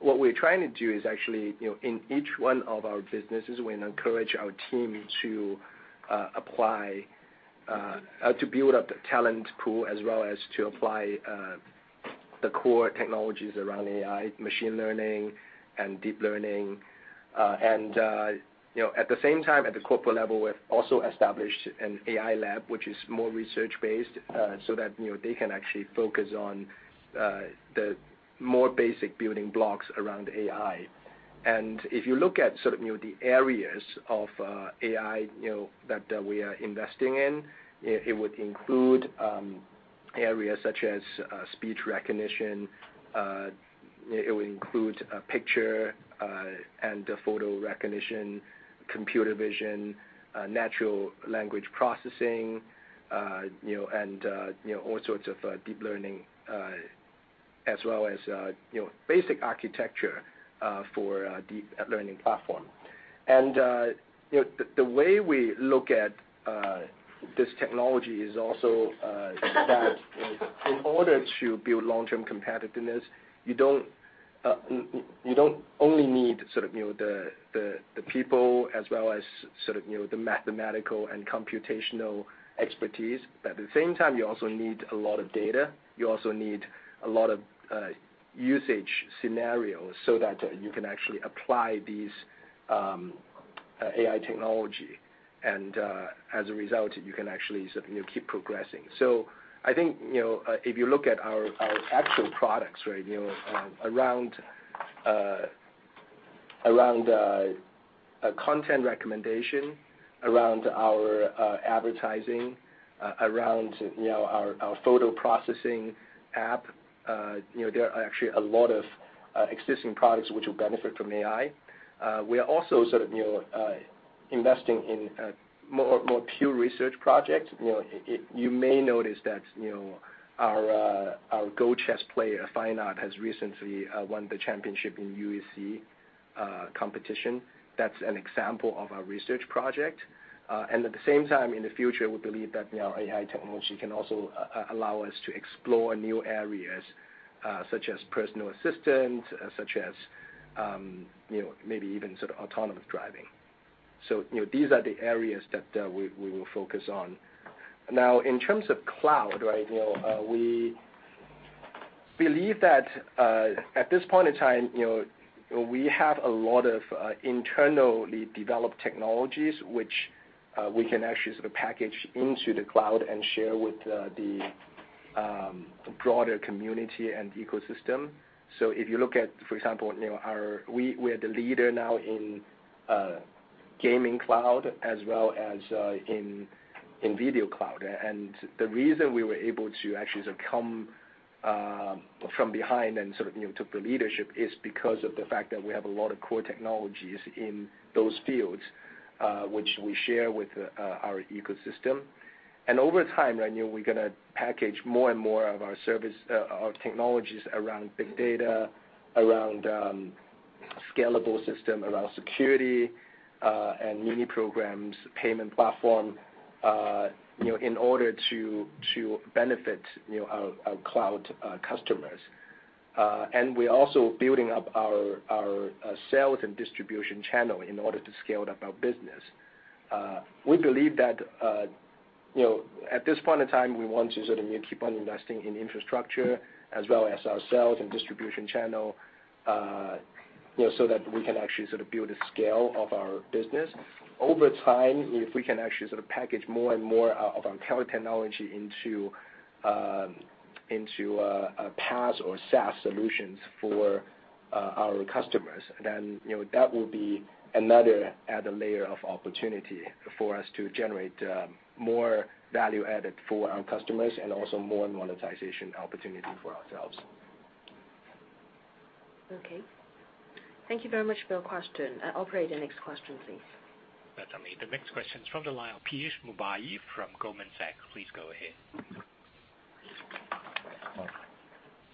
What we're trying to do is actually, in each one of our businesses, we encourage our team to build up the talent pool as well as to apply the core technologies around AI, machine learning, and deep learning. At the same time, at the corporate level, we have also established an AI lab, which is more research-based, so that they can actually focus on the more basic building blocks around AI. If you look at the areas of AI that we are investing in, it would include areas such as speech recognition, it would include picture and photo recognition, computer vision, natural language processing, and all sorts of deep learning, as well as basic architecture for a deep learning platform. The way we look at this technology is also that in order to build long-term competitiveness, you don't only need the people as well as the mathematical and computational expertise, but at the same time, you also need a lot of data. You also need a lot of usage scenarios so that you can actually apply these AI technology, and as a result, you can actually keep progressing. I think, if you look at our actual products around content recommendation, around our advertising, around our photo processing app. There are actually a lot of existing products which will benefit from AI. We are also sort of investing in more pure research projects. You may notice that our Go chess player, Fine Art, has recently won the championship in UEC competition. That's an example of our research project. At the same time, in the future, we believe that AI technology can also allow us to explore new areas such as personal assistant, such as maybe even sort of autonomous driving. These are the areas that we will focus on. Now, in terms of cloud, we believe that at this point in time we have a lot of internally developed technologies which we can actually sort of package into the cloud and share with the broader community and ecosystem. If you look at, for example, we are the leader now in gaming cloud as well as in video cloud. The reason we were able to actually sort of come from behind and sort of took the leadership is because of the fact that we have a lot of core technologies in those fields, which we share with our ecosystem. Over time, we're going to package more and more of our service, our technologies around big data, around scalable system, around security, and Mini Programs, payment platform, in order to benefit our cloud customers. We're also building up our sales and distribution channel in order to scale up our business. We believe that at this point in time, we want to sort of keep on investing in infrastructure as well as our sales and distribution channel, so that we can actually sort of build the scale of our business. Over time, if we can actually sort of package more and more of our technology into a PaaS or SaaS solutions for our customers, then that will be another added layer of opportunity for us to generate more value added for our customers and also more monetization opportunity for ourselves. Okay. Thank you very much for your question. Operator, next question, please. Certainly. The next question is from the line of Piyush Mubayi from Goldman Sachs. Please go ahead.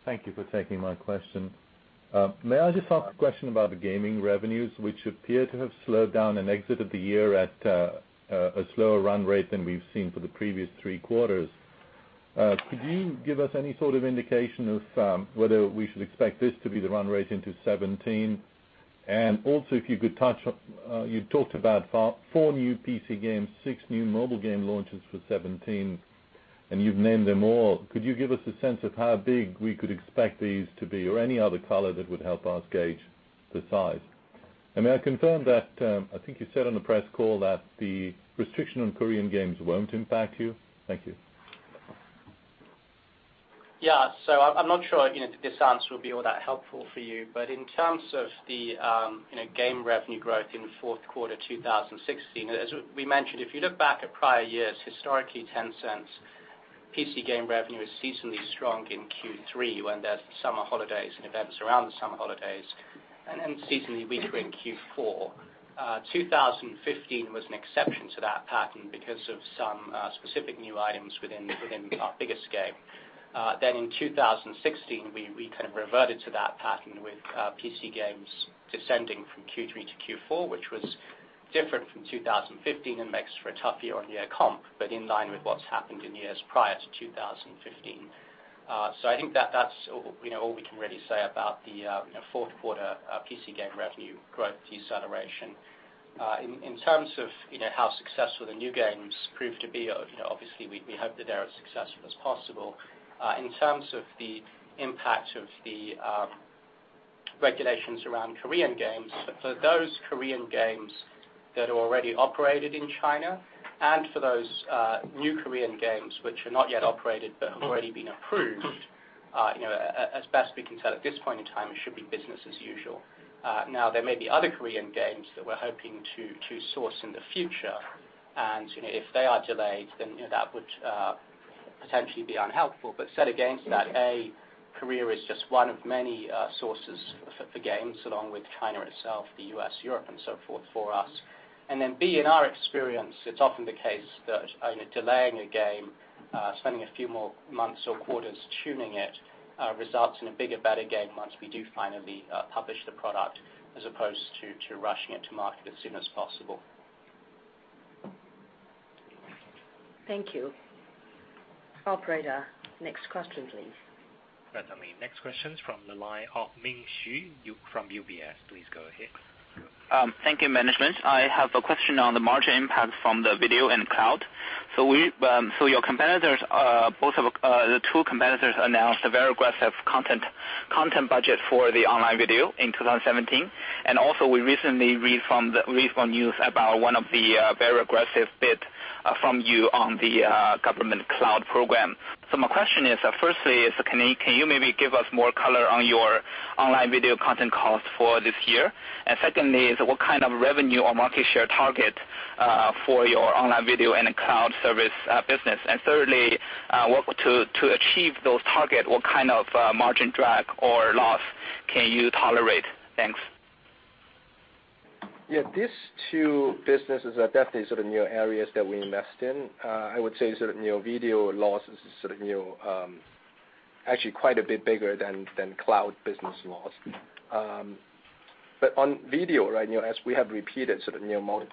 Thank you for taking my question. May I just ask a question about the gaming revenues, which appear to have slowed down and exited the year at a slower run rate than we've seen for the previous three quarters. Could you give us any sort of indication of whether we should expect this to be the run rate into 2017? Also, if you could touch, you talked about four new PC games, six new mobile game launches for 2017, and you've named them all. Could you give us a sense of how big we could expect these to be or any other color that would help us gauge the size? May I confirm that, I think you said on the press call that the restriction on Korean games won't impact you? Thank you. I'm not sure this answer will be all that helpful for you, but in terms of the game revenue growth in the fourth quarter 2016, as we mentioned, if you look back at prior years, historically, Tencent's PC game revenue is seasonally strong in Q3 when there's summer holidays and events around the summer holidays, and then seasonally weak in Q4. 2015 was an exception to that pattern because of some specific new items within our biggest game. In 2016, we kind of reverted to that pattern with PC games descending from Q3 to Q4, which was different from 2015 and makes for a tough year-on-year comp, but in line with what's happened in years prior to 2015. I think that's all we can really say about the fourth quarter PC game revenue growth deceleration. In terms of how successful the new games prove to be, obviously we hope that they're as successful as possible. In terms of the impact of the regulations around Korean games, for those Korean games that already operated in China and for those new Korean games which are not yet operated but have already been approved, as best we can tell at this point in time, it should be business as usual. There may be other Korean games that we're hoping to source in the future, and if they are delayed, then that would potentially be unhelpful. Set against that, A, Korea is just one of many sources for games, along with China itself, the U.S., Europe, and so forth for us. B, in our experience, it's often the case that delaying a game, spending a few more months or quarters tuning it, results in a bigger, better game once we do finally publish the product, as opposed to rushing it to market as soon as possible. Thank you. Operator, next question, please. Certainly. Next question is from the line of Ming Xu from UBS. Please go ahead. Thank you management. Your competitors, both of the two competitors announced a very aggressive content budget for the online video in 2017. Also we recently read from news about one of the very aggressive bid from you on the government cloud program. My question is, Firstly, can you maybe give us more color on your online video content cost for this year? Secondly, what kind of revenue or market share target for your online video and cloud service business? Thirdly, to achieve those target, what kind of margin drag or loss can you tolerate? Thanks. Yeah. These two businesses are definitely sort of new areas that we invest in. I would say video loss is actually quite a bit bigger than cloud business loss. On video, as we have repeated multiple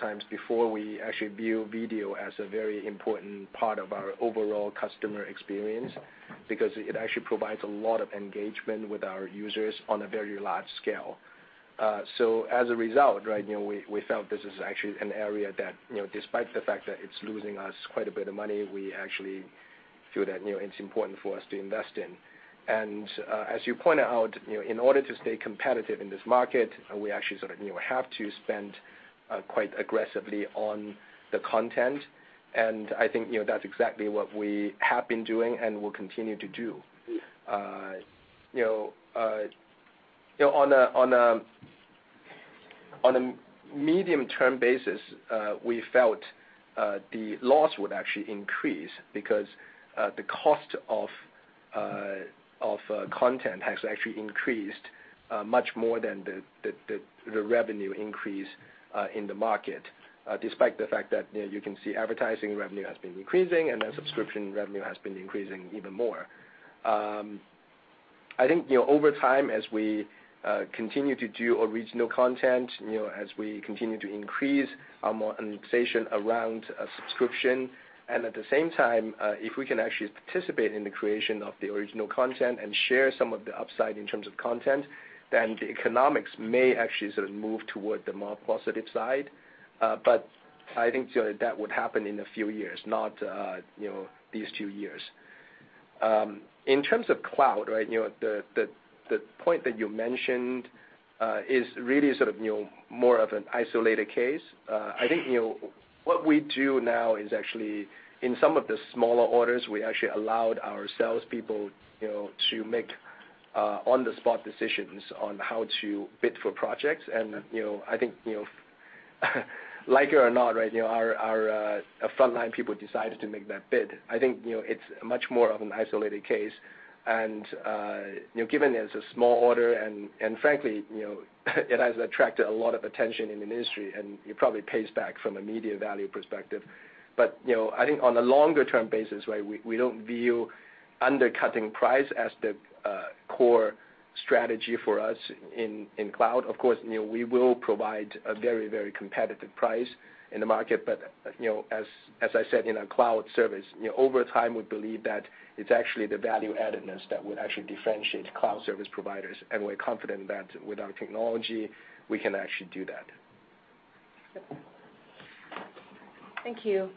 times before, we actually view video as a very important part of our overall customer experience, because it actually provides a lot of engagement with our users on a very large scale. As a result, we felt this is actually an area that despite the fact that it's losing us quite a bit of money, we actually feel that it's important for us to invest in. As you pointed out, in order to stay competitive in this market, we actually sort of have to spend quite aggressively on the content. I think, that's exactly what we have been doing and will continue to do. On a medium-term basis, we felt, the loss would actually increase because, the cost of content has actually increased, much more than the revenue increase in the market, despite the fact that you can see advertising revenue has been increasing and that subscription revenue has been increasing even more. I think, over time, as we continue to do original content, as we continue to increase our monetization around subscription, and at the same time, if we can actually participate in the creation of the original content and share some of the upside in terms of content, then the economics may actually sort of move toward the more positive side. I think that would happen in a few years, not these two years. In terms of cloud, the point that you mentioned is really sort of more of an isolated case. I think what we do now is actually in some of the smaller orders, we actually allowed our salespeople to make on-the-spot decisions on how to bid for projects. I think like it or not, our frontline people decided to make that bid. I think, it's much more of an isolated case and given as a small order and frankly, it has attracted a lot of attention in the industry, and it probably pays back from a media value perspective. I think on a longer term basis, we don't view undercutting price as the core strategy for us in cloud. Of course, we will provide a very competitive price in the market. As I said, in a cloud service, over time, we believe that it's actually the value addedness that would actually differentiate cloud service providers. We're confident that with our technology, we can actually do that. Thank you.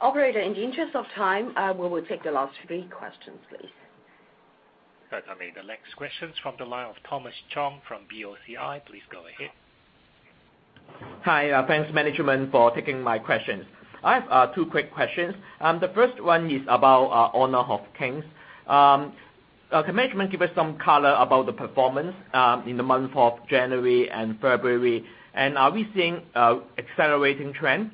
Operator, in the interest of time, we will take the last three questions, please. Certainly. The next question is from the line of Thomas Chong from BOCI. Please go ahead. Hi. Thanks management for taking my questions. I have two quick questions. The first one is about Honor of Kings. Can management give us some color about the performance, in the month of January and February, and are we seeing accelerating trend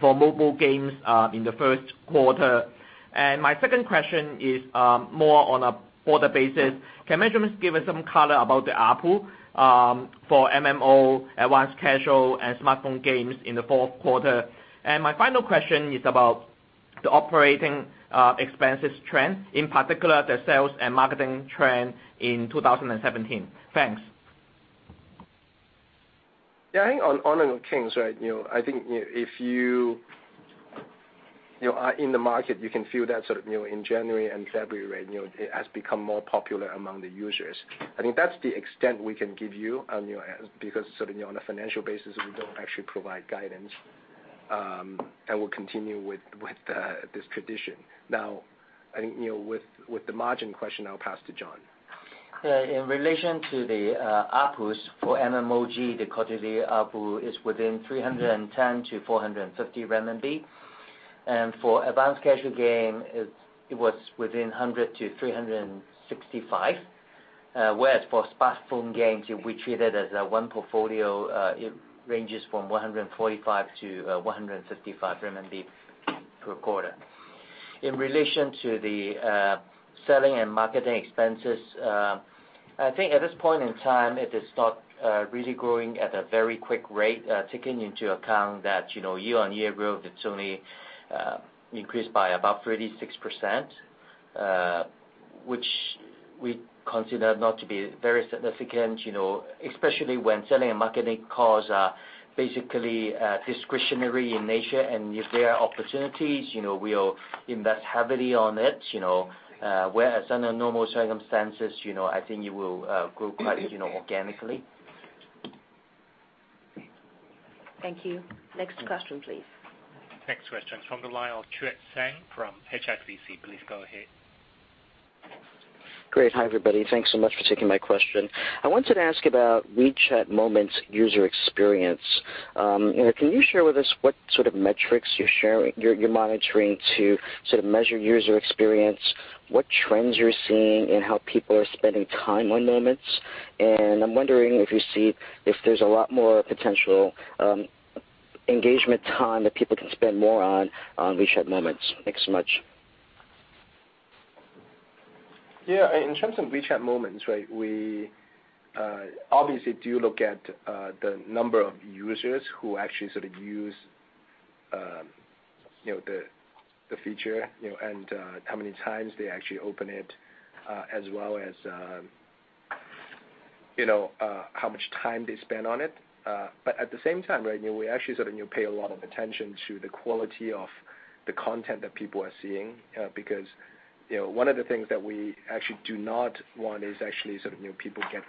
for mobile games in the first quarter? My second question is more on a quarter basis. Can management give us some color about the ARPU, for MMO, advanced casual, and smartphone games in the fourth quarter? My final question is about the operating expenses trend, in particular the sales and marketing trend in 2017. Thanks. Yeah, I think on Honor of Kings, I think if you are in the market, you can feel that in January and February, it has become more popular among the users. I think that's the extent we can give you on your end, because on a financial basis, we don't actually provide guidance, and we'll continue with this tradition. I think, with the margin question, I'll pass to John. Yeah. In relation to the ARPUs for MMOG, the quarterly ARPU is within 310-450 renminbi, and for advanced casual game, it was within 100-365, whereas for smartphone games, we treat it as one portfolio, it ranges from 145-155 RMB per quarter. In relation to the selling and marketing expenses, I think at this point in time, it has start really growing at a very quick rate, taking into account that year-on-year growth, it's only increased by about 36%, which we consider not to be very significant, especially when selling and marketing costs are basically discretionary in nature. If there are opportunities, we'll invest heavily on it, whereas under normal circumstances, I think it will grow quite organically. Thank you. Next question, please. Next question is from the line of Chi Tsang from HSBC. Please go ahead. Great. Hi, everybody. Thanks so much for taking my question. I wanted to ask about WeChat Moments user experience. Can you share with us what sort of metrics you're monitoring to measure user experience, what trends you're seeing in how people are spending time on Moments? I'm wondering if you see if there's a lot more potential engagement time that people can spend more on WeChat Moments. Thanks so much. Yeah. In terms of WeChat Moments, we obviously do look at the number of users who actually sort of use the feature, and how many times they actually open it, as well as how much time they spend on it. At the same time, we actually pay a lot of attention to the quality of the content that people are seeing, because one of the things that we actually do not want is actually people get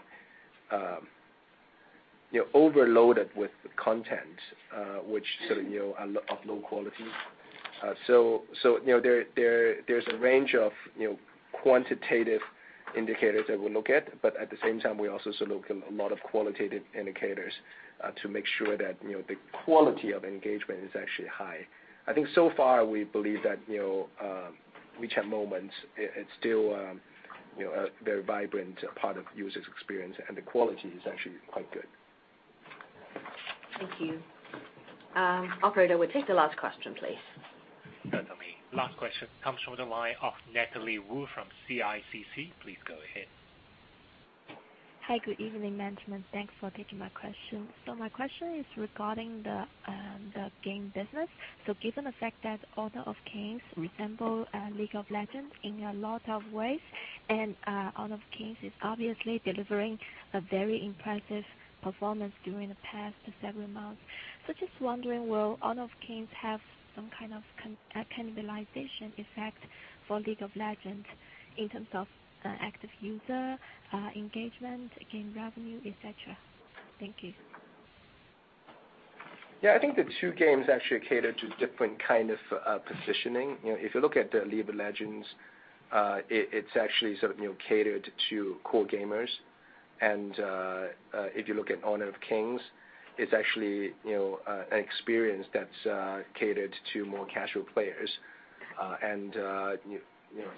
overloaded with content of low quality. There's a range of quantitative indicators that we look at, but at the same time, we also look at a lot of qualitative indicators, to make sure that the quality of engagement is actually high. I think so far, we believe that WeChat Moments, it's still a very vibrant part of users' experience, and the quality is actually quite good. Thank you. Operator, we'll take the last question, please. Certainly. Last question comes from the line of Natalie Wu from CICC. Please go ahead. Hi. Good evening, management. Thanks for taking my question. My question is regarding the game business. Given the fact that Honor of Kings resemble League of Legends in a lot of ways, and Honor of Kings is obviously delivering a very impressive performance during the past several months. Just wondering, will Honor of Kings have some kind of cannibalization effect for League of Legends in terms of active user engagement, game revenue, et cetera? Thank you. I think the two games actually cater to different kind of positioning. If you look at the League of Legends, it's actually sort of catered to core gamers. If you look at Honor of Kings, it's actually an experience that's catered to more casual players.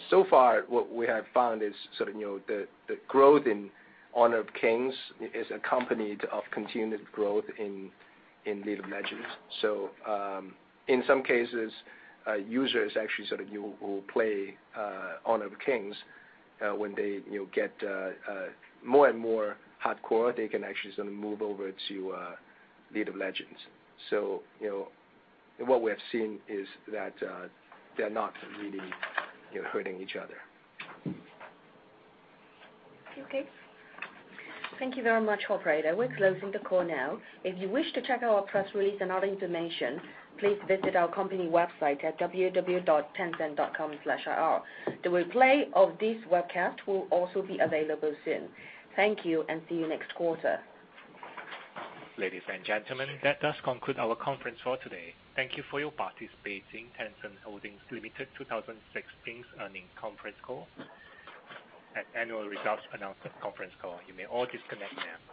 So far what we have found is the growth in Honor of Kings is accompanied of continued growth in League of Legends. In some cases, users actually who play Honor of Kings, when they get more and more hardcore, they can actually move over to League of Legends. What we have seen is that they're not really hurting each other. Okay. Thank you very much, operator. We're closing the call now. If you wish to check our press release and other information, please visit our company website at www.tencent.com/ir. The replay of this webcast will also be available soon. Thank you, and see you next quarter. Ladies and gentlemen, that does conclude our conference call today. Thank you for your participation Tencent Holdings Limited 2016 earnings conference call at annual results announcement conference call. You may all disconnect now.